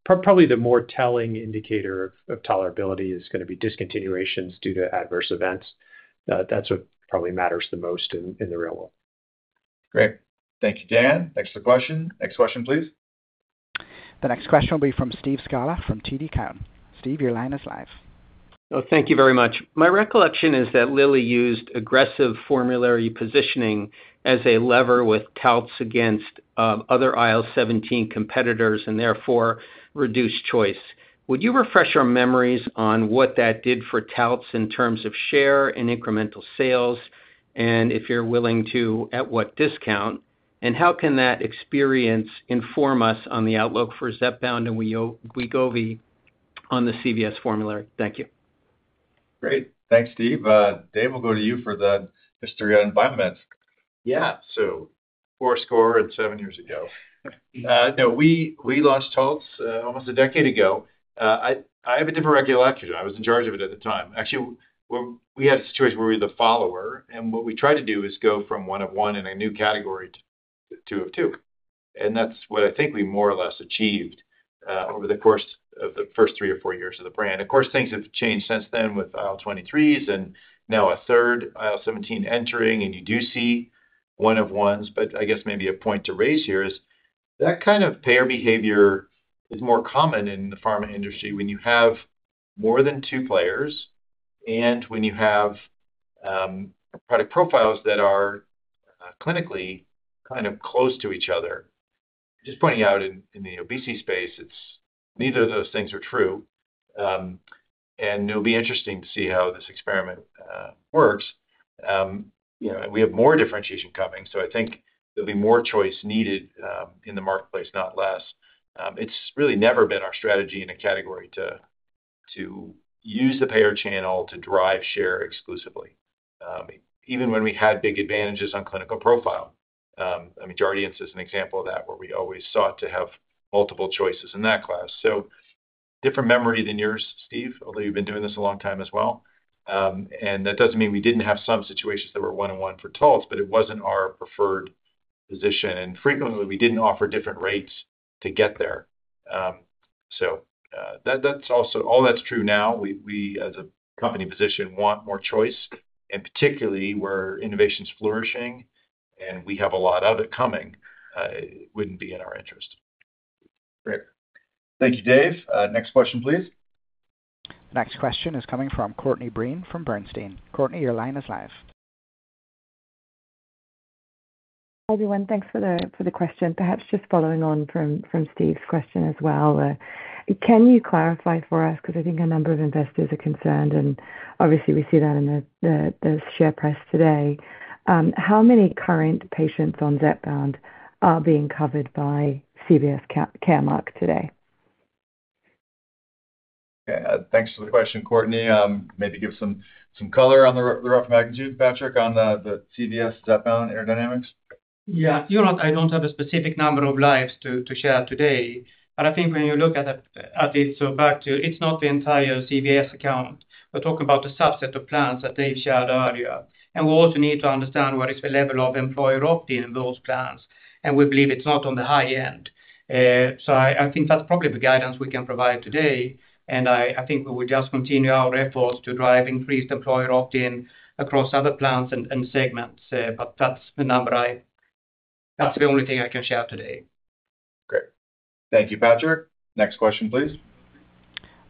Speaker 5: Probably the more telling indicator of tolerability is going to be discontinuations due to adverse events. That's what probably matters the most in the real world.
Speaker 2: Great. Thank you, Dan. Thanks for the question. Next question, please.
Speaker 1: The next question will be from Steve Scala from TD Cowen. Steve, your line is live.
Speaker 19: Thank you very much. My recollection is that Lilly used aggressive formulary positioning as a lever with Taltz against other IL-17 competitors and therefore reduced choice. Would you refresh our memories on what that did for Taltz in terms of share and incremental sales, and if you're willing to, at what discount? How can that experience inform us on the outlook for Zepbound and Wegovy on the CVS formulary? Thank you.
Speaker 2: Great. Thanks, Steve. Dave, we'll go to you for the history on Biomeds.
Speaker 3: Yeah. Four score and seven years ago. We launched Taltz almost a decade ago. I have a different regulator. I was in charge of it at the time. Actually, we had a situation where we were the follower. What we tried to do is go from one-of-one in a new category to two-of-two. That is what I think we more or less achieved over the course of the first three or four years of the brand. Of course, things have changed since then with IL-23s and now a third IL-17 entering, and you do see one-of-ones. I guess maybe a point to raise here is that kind of payer behavior is more common in the pharma industry when you have more than two players and when you have product profiles that are clinically kind of close to each other. Just pointing out in the obesity space, neither of those things are true. It'll be interesting to see how this experiment works. We have more differentiation coming, so I think there'll be more choice needed in the marketplace, not less. It's really never been our strategy in a category to use the payer channel to drive share exclusively. Even when we had big advantages on clinical profile, I mean, Jardiance is an example of that where we always sought to have multiple choices in that class. Different memory than yours, Steve, although you've been doing this a long time as well. That doesn't mean we didn't have some situations that were one-of-one for Taltz, but it wasn't our preferred position. Frequently, we didn't offer different rates to get there. All that's true now. We, as a company position, want more choice. Particularly where innovation's flourishing and we have a lot of it coming, it wouldn't be in our interest.
Speaker 2: Great. Thank you, Dave. Next question, please.
Speaker 1: Next question is coming from Courtney Breen from Bernstein. Courtney, your line is live.
Speaker 20: Hi, everyone. Thanks for the question. Perhaps just following on from Steve's question as well. Can you clarify for us because I think a number of investors are concerned, and obviously we see that in the share price today? How many current patients on Zepbound are being covered by CVS CareMark today?
Speaker 2: Yeah. Thanks for the question, Courtney. Maybe give some color on the rough magnitude, Patrick, on the CVS Zepbound aerodynamics?
Speaker 9: Yeah. You know what? I don't have a specific number of lives to share today. I think when you look at it, back to, it's not the entire CVS account. We're talking about a subset of plans that they've shared earlier. We also need to understand what is the level of employer opt-in in those plans. We believe it's not on the high end. I think that's probably the guidance we can provide today. I think we will just continue our efforts to drive increased employer opt-in across other plans and segments. That's the number. That's the only thing I can share today.
Speaker 2: Great. Thank you, Patrick. Next question, please.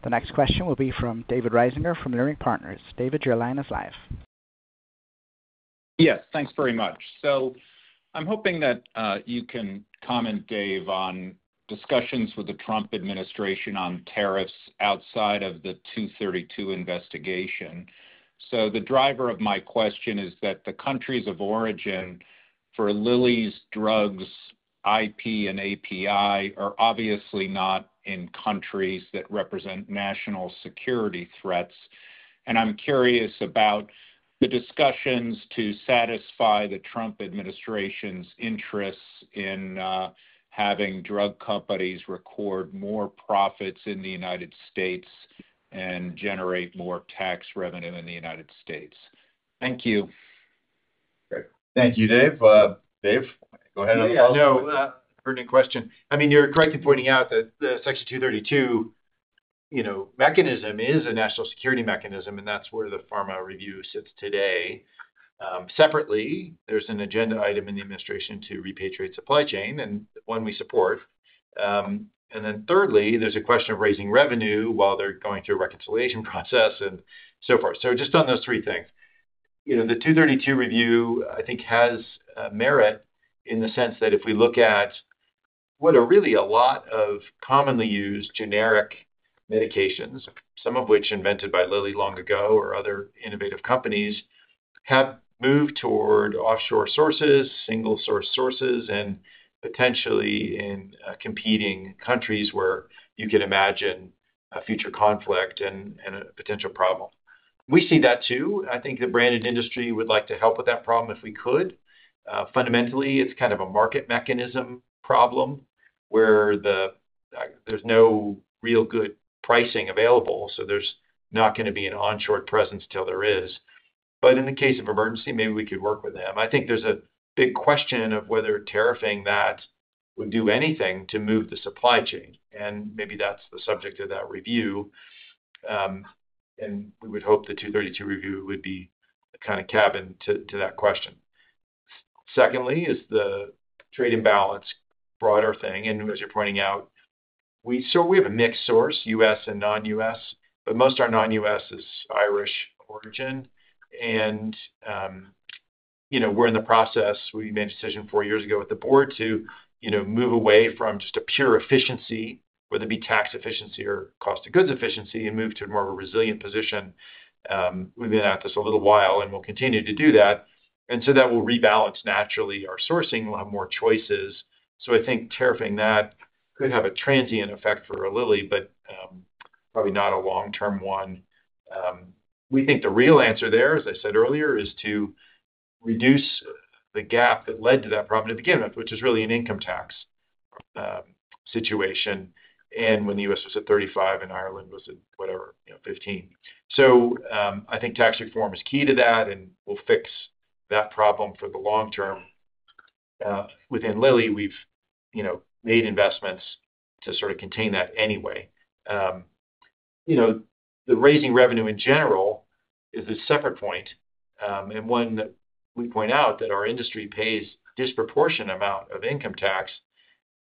Speaker 1: The next question will be from David Risinger from Leerink Partners. David, your line is live.
Speaker 21: Yes. Thanks very much. I'm hoping that you can comment, Dave, on discussions with the Trump administration on tariffs outside of the 232 investigation. The driver of my question is that the countries of origin for Lilly's drugs, IP and API, are obviously not in countries that represent national security threats. I'm curious about the discussions to satisfy the Trump administration's interests in having drug companies record more profits in the United States and generate more tax revenue in the United States. Thank you.
Speaker 2: Thank you, Dave. Dave, go ahead on the phone.
Speaker 3: Yeah. No, pertinent question. I mean, you're correct in pointing out that the Section 232 mechanism is a national security mechanism, and that's where the pharma review sits today. Separately, there's an agenda item in the administration to repatriate supply chain and one we support. Thirdly, there's a question of raising revenue while they're going through a reconciliation process and so forth. Just on those three things, the 232 review, I think, has merit in the sense that if we look at what are really a lot of commonly used generic medications, some of which invented by Lilly long ago or other innovative companies, have moved toward offshore sources, single-source sources, and potentially in competing countries where you can imagine a future conflict and a potential problem. We see that too. I think the branded industry would like to help with that problem if we could. Fundamentally, it's kind of a market mechanism problem where there's no real good pricing available. There's not going to be an onshore presence until there is. In the case of emergency, maybe we could work with them. I think there's a big question of whether tariffing that would do anything to move the supply chain. Maybe that's the subject of that review. We would hope the 232 review would be the kind of cabin to that question. Secondly, is the trade imbalance broader thing? As you're pointing out, we sort of have a mixed source, US and non-US, but most are non-US, Irish origin. We're in the process. We made a decision four years ago with the board to move away from just a pure efficiency, whether it be tax efficiency or cost of goods efficiency, and move to more of a resilient position. We've been at this a little while, and we'll continue to do that. That will rebalance naturally our sourcing and we'll have more choices. I think tariffing that could have a transient effect for Lilly, but probably not a long-term one. We think the real answer there, as I said earlier, is to reduce the gap that led to that problem at the beginning, which is really an income tax situation. When the U.S. was at 35 and Ireland was at whatever, 15. I think tax reform is key to that, and we'll fix that problem for the long term. Within Lilly, we've made investments to sort of contain that anyway. The raising revenue in general is a separate point. One that we point out is that our industry pays a disproportionate amount of income tax.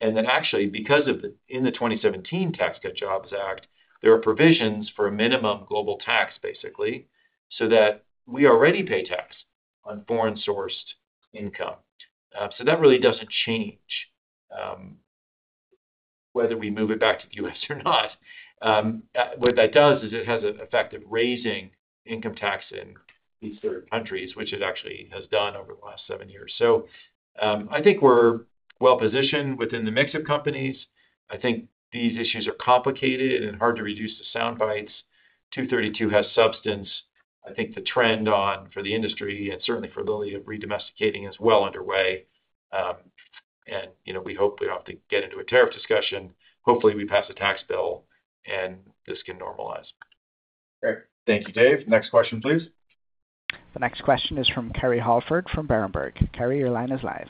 Speaker 3: Actually, because of the 2017 Tax Cut Jobs Act, there are provisions for a minimum global tax, basically, so that we already pay tax on foreign-sourced income. That really does not change whether we move it back to the U.S. or not. What that does is it has an effect of raising income tax in these third countries, which it actually has done over the last seven years. I think we are well-positioned within the mix of companies. I think these issues are complicated and hard to reduce to sound bites. 232 has substance. I think the trend for the industry and certainly for Lilly of redomesticating is well underway. We hope we do not have to get into a tariff discussion. Hopefully, we pass a tax bill, and this can normalize.
Speaker 2: Great. Thank you, Dave. Next question, please.
Speaker 1: The next question is from Kerry Holford from Berenberg. Kerry, your line is live.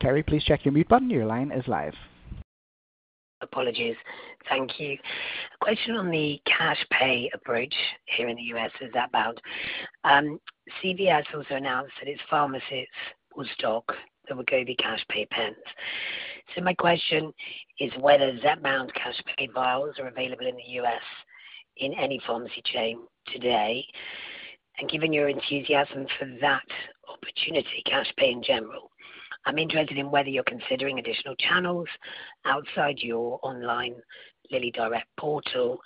Speaker 1: Kerry, please check your mute button. Your line is live.
Speaker 22: Apologies. Thank you. Question on the cash pay approach here in the U.S. is Zepbound. CVS also announced that its pharmacists will stock the Wegovy cash pay pens. My question is whether Zepbound cash pay vials are available in the U.S. in any pharmacy chain today. Given your enthusiasm for that opportunity, cash pay in general, I'm interested in whether you're considering additional channels outside your online Lilly Direct portal.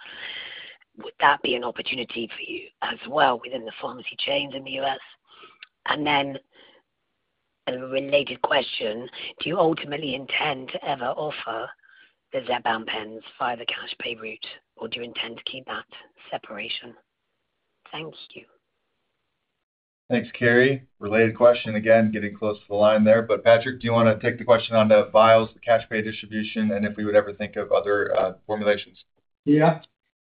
Speaker 22: Would that be an opportunity for you as well within the pharmacy chains in the U.S.? A related question, do you ultimately intend to ever offer the Zepbound pens via the cash pay route, or do you intend to keep that separation? Thank you.
Speaker 2: Thanks, Kerry. Related question again, getting close to the line there. Patrick, do you want to take the question on the vials, the cash pay distribution, and if we would ever think of other formulations?
Speaker 9: Yeah.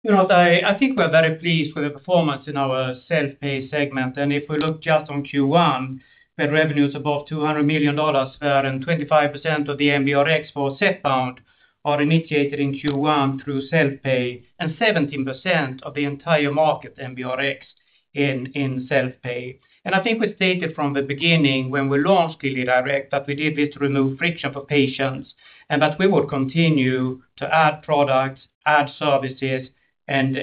Speaker 9: You know what? I think we're very pleased with the performance in our self-pay segment. If we look just on Q1, we had revenues above $200 million wherein 25% of the MBRX for Zepbound are initiated in Q1 through self-pay and 17% of the entire market MBRX in self-pay. I think we stated from the beginning when we launched Lilly Direct that we did this to remove friction for patients and that we will continue to add products, add services, and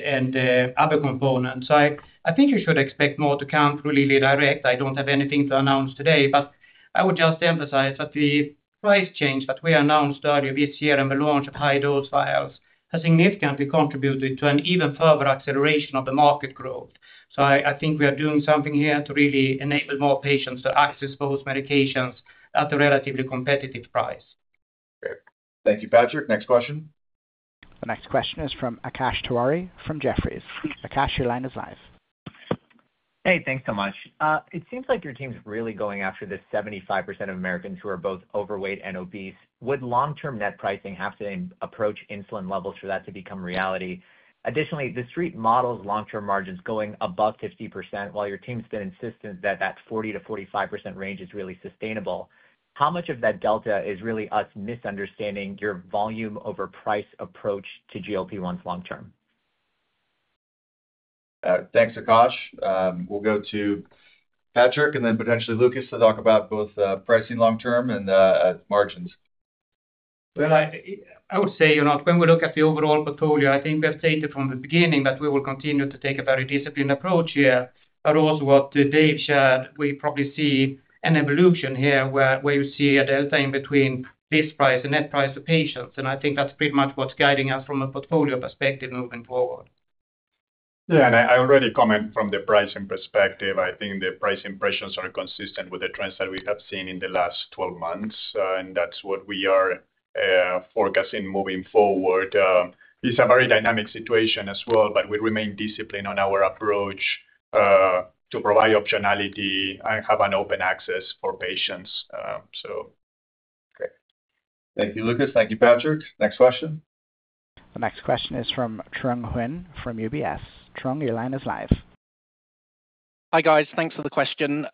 Speaker 9: other components. I think you should expect more to come through Lilly Direct. I don't have anything to announce today, but I would just emphasize that the price change that we announced earlier this year and the launch of high-dose vials has significantly contributed to an even further acceleration of the market growth. I think we are doing something here to really enable more patients to access those medications at a relatively competitive price.
Speaker 2: Great. Thank you, Patrick. Next question.
Speaker 1: The next question is from Akash Tewari from Jefferies. Akash, your line is live.
Speaker 23: Hey, thanks so much. It seems like your team's really going after this 75% of Americans who are both overweight and obese. Would long-term net pricing have to approach insulin levels for that to become reality? Additionally, the street models long-term margins going above 50%, while your team's been insistent that that 40%-45% range is really sustainable. How much of that delta is really us misunderstanding your volume over price approach to GLP-1s long-term?
Speaker 2: Thanks, Akash. We'll go to Patrick and then potentially Lucas to talk about both pricing long-term and margins.
Speaker 9: I would say, you know, when we look at the overall portfolio, I think we have stated from the beginning that we will continue to take a very disciplined approach here. Also, what Dave shared, we probably see an evolution here where you see a delta in between base price and net price to patients. I think that's pretty much what's guiding us from a portfolio perspective moving forward.
Speaker 4: Yeah. I already commented from the pricing perspective. I think the pricing pressures are consistent with the trends that we have seen in the last 12 months. That is what we are forecasting moving forward. It is a very dynamic situation as well, but we remain disciplined on our approach to provide optionality and have an open access for patients.
Speaker 2: Great. Thank you, Lucas. Thank you, Patrick. Next question.
Speaker 1: The next question is from Truong Nguyen from UBS. Truong, your line is live.
Speaker 24: Hi guys. Thanks for the question.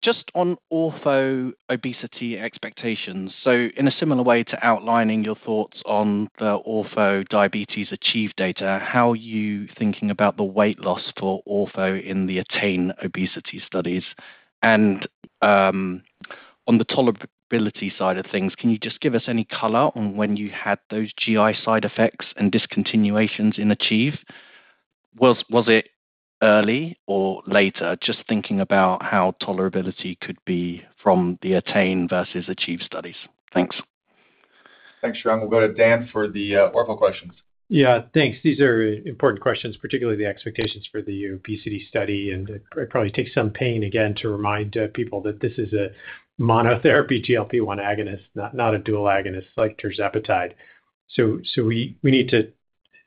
Speaker 24: Just on Orforglipron obesity expectations. In a similar way to outlining your thoughts on the Orforglipron diabetes Achieve data, how are you thinking about the weight loss for Orforglipron in the ATTAIN obesity studies? On the tolerability side of things, can you just give us any color on when you had those GI side effects and discontinuations in Achieve? Was it early or later? Just thinking about how tolerability could be from the ATTAIN versus Achieve studies. Thanks.
Speaker 2: Thanks, Truong. We'll go to Dan for the ortho questions.
Speaker 5: Yeah. Thanks. These are important questions, particularly the expectations for the obesity study. It probably takes some pain again to remind people that this is a monotherapy GLP-1 agonist, not a dual agonist like tirzepatide. We need to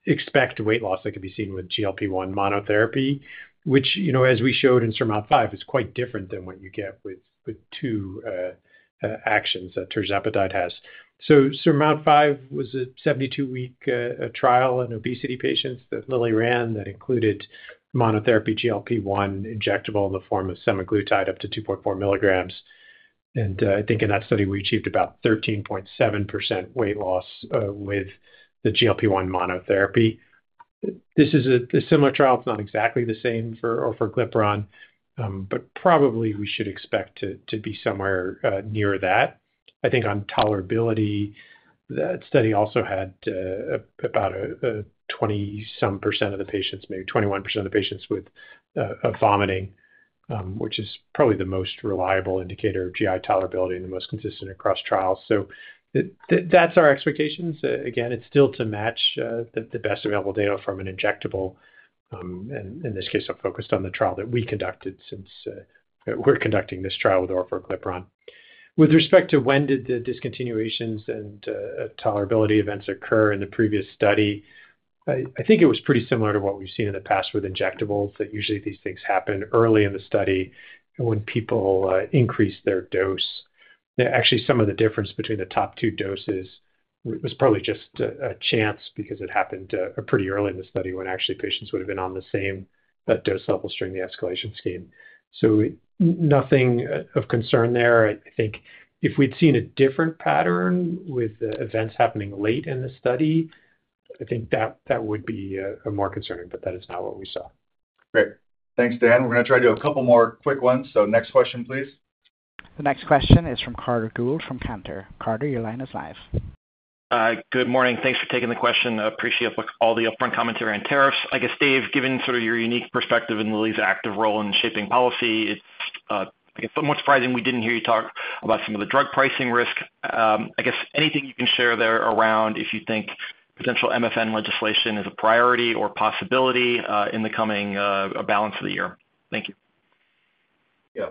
Speaker 5: expect weight loss that can be seen with GLP-1 monotherapy, which, as we showed in SURMOUNT V, is quite different than what you get with two actions that tirzepatide has. SURMOUNT V was a 72-week trial in obesity patients that Lilly ran that included monotherapy GLP-1 injectable in the form of semaglutide up to 2.4 mg. I think in that study, we achieved about 13.7% weight loss with the GLP-1 monotherapy. This is a similar trial. It's not exactly the same for glyperon, but probably we should expect to be somewhere near that. I think on tolerability, that study also had about a 20-some % of the patients, maybe 21% of the patients with vomiting, which is probably the most reliable indicator of GI tolerability and the most consistent across trials. That is our expectations. Again, it is still to match the best available data from an injectable. In this case, I have focused on the trial that we conducted since we are conducting this trial with Orforglipron. With respect to when did the discontinuations and tolerability events occur in the previous study, I think it was pretty similar to what we have seen in the past with injectables that usually these things happen early in the study when people increase their dose. Actually, some of the difference between the top two doses was probably just a chance because it happened pretty early in the study when actually patients would have been on the same dose level during the escalation scheme. Nothing of concern there. I think if we'd seen a different pattern with events happening late in the study, I think that would be more concerning, but that is not what we saw.
Speaker 2: Great. Thanks, Dan. We're going to try to do a couple more quick ones. Next question, please.
Speaker 1: The next question is from Carter Gould from Cantor. Carter, your line is live.
Speaker 25: Good morning. Thanks for taking the question. Appreciate all the upfront commentary on tariffs. I guess, Dave, given sort of your unique perspective in Lilly's active role in shaping policy, it's somewhat surprising we didn't hear you talk about some of the drug pricing risk. I guess anything you can share there around if you think potential MFN legislation is a priority or possibility in the coming balance of the year. Thank you.
Speaker 3: Yeah.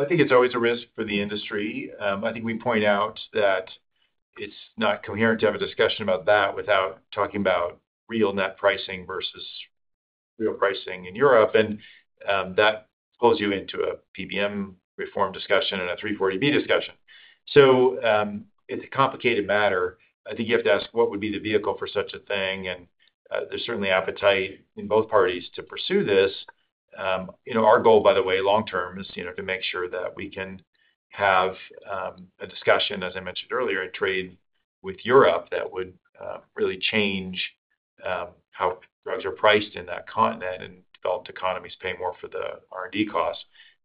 Speaker 3: I think it's always a risk for the industry. I think we point out that it's not coherent to have a discussion about that without talking about real net pricing versus real pricing in Europe. That pulls you into a PBM reform discussion and a 340B discussion. It is a complicated matter. I think you have to ask what would be the vehicle for such a thing. There is certainly appetite in both parties to pursue this. Our goal, by the way, long-term is to make sure that we can have a discussion, as I mentioned earlier, in trade with Europe that would really change how drugs are priced in that continent and developed economies pay more for the R&D costs.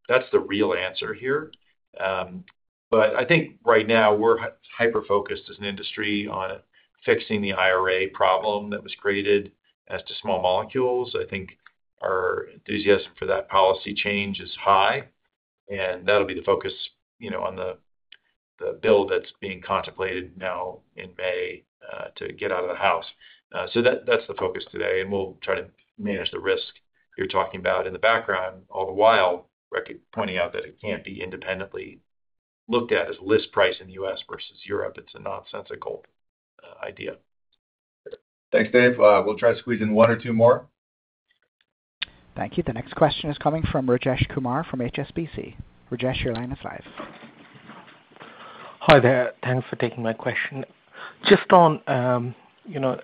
Speaker 3: That's the real answer here. I think right now we're hyper-focused as an industry on fixing the IRA problem that was created as to small molecules. I think our enthusiasm for that policy change is high. That'll be the focus on the bill that's being contemplated now in May to get out of the house. That's the focus today. We'll try to manage the risk you're talking about in the background all the while, pointing out that it can't be independently looked at as list price in the US versus Europe. It's a nonsensical idea.
Speaker 2: Thanks, Dave. We'll try to squeeze in one or two more.
Speaker 1: Thank you. The next question is coming from Rajesh Kumar from HSBC. Rajesh, your line is live.
Speaker 26: Hi there. Thanks for taking my question. Just on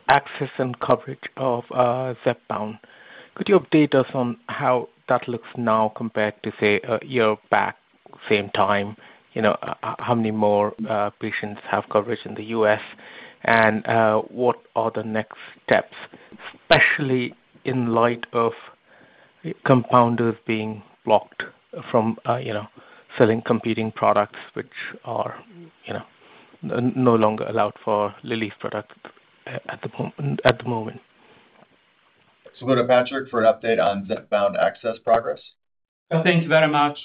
Speaker 26: access and coverage of Zepbound, could you update us on how that looks now compared to, say, a year back, same time? How many more patients have coverage in the U.S.? What are the next steps, especially in light of compounders being blocked from selling competing products which are no longer allowed for Lilly's products at the moment?
Speaker 2: Let's go to Patrick for an update on Zepbound access progress.
Speaker 9: Thank you very much.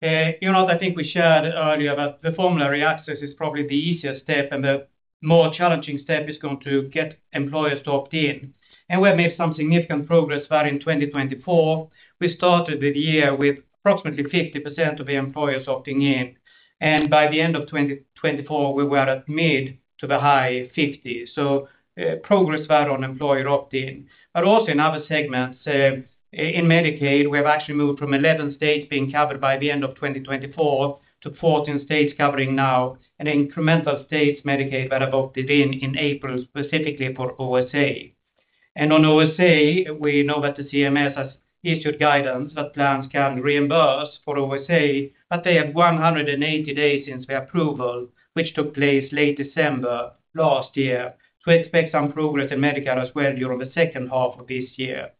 Speaker 9: You know what? I think we shared earlier that the formulary access is probably the easiest step. The more challenging step is going to get employers to opt in. We have made some significant progress where in 2024, we started the year with approximately 50% of the employers opting in. By the end of 2024, we were at mid to the high 50%. Progress there on employer opt-in. Also in other segments, in Medicaid, we have actually moved from 11 states being covered by the end of 2024 to 14 states covering now, and incremental states Medicaid that have opted in in April specifically for OSA. On OSA, we know that the CMS has issued guidance that plans can reimburse for OSA, but they have 180 days since the approval, which took place late December last year. We expect some progress in Medicaid as well during the second half of this year.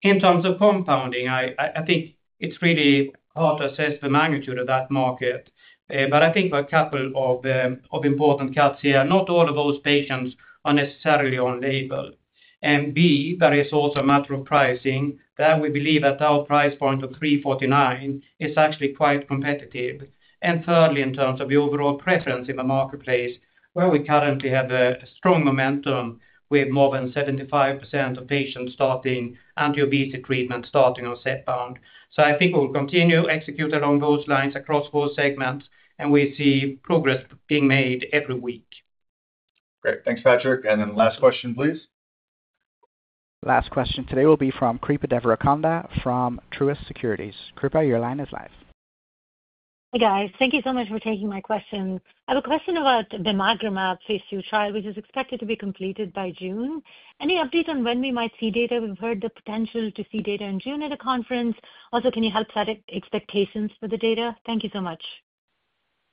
Speaker 9: In terms of compounding, I think it's really hard to assess the magnitude of that market. I think there are a couple of important cuts here. Not all of those patients are necessarily on label. There is also a matter of pricing. There we believe that our price point of $349 is actually quite competitive. Thirdly, in terms of the overall preference in the marketplace, where we currently have strong momentum, we have more than 75% of patients starting anti-obesity treatment starting on Zepbound. I think we'll continue to execute along those lines across four segments, and we see progress being made every week.
Speaker 2: Great. Thanks, Patrick. Last question, please.
Speaker 1: Last question today will be from Kripa Devarakonda from Truist Securities. Kripa, your line is live.
Speaker 27: Hi guys. Thank you so much for taking my question. I have a question about the Bimagrumab phase two trial, which is expected to be completed by June. Any update on when we might see data? We've heard the potential to see data in June at a conference. Also, can you help set expectations for the data? Thank you so much.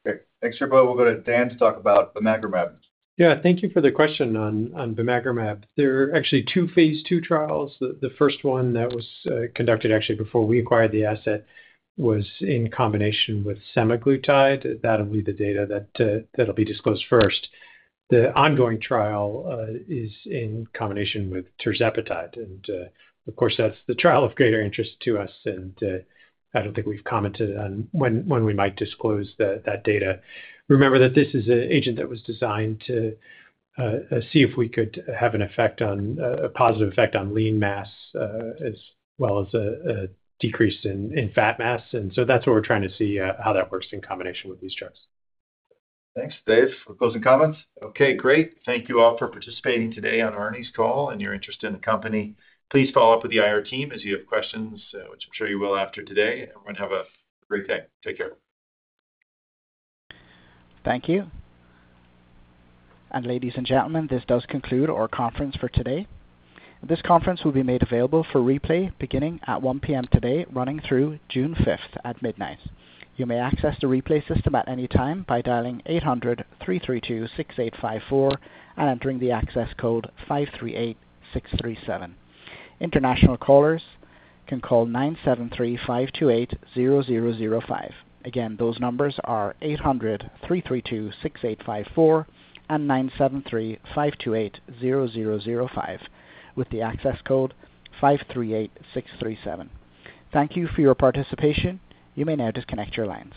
Speaker 2: Great. Thanks, Kripa. We'll go to Dan to talk about Bimagrumab.
Speaker 1: Yeah. Thank you for the question on Bimagrumab. There are actually two phase II trials. The first one that was conducted actually before we acquired the asset was in combination with semaglutide. That will be the data that will be disclosed first. The ongoing trial is in combination with tirzepatide. Of course, that is the trial of greater interest to us. I do not think we have commented on when we might disclose that data. Remember that this is an agent that was designed to see if we could have a positive effect on lean mass as well as a decrease in fat mass. That is what we are trying to see, how that works in combination with these drugs.
Speaker 2: Thanks, Dave, for closing comments. Okay, great. Thank you all for participating today on our earnings call and your interest in the company. Please follow up with the IR team as you have questions, which I'm sure you will after today. Everyone have a great day. Take care.
Speaker 1: Thank you. Ladies and gentlemen, this does conclude our conference for today. This conference will be made available for replay beginning at 1:00 P.M. today, running through June 5th at midnight. You may access the replay system at any time by dialing 800-332-6854 and entering the access code 538637. International callers can call 973-528-0005. Again, those numbers are 800-332-6854 and 973-528-0005 with the access code 538637. Thank you for your participation. You may now disconnect your lines.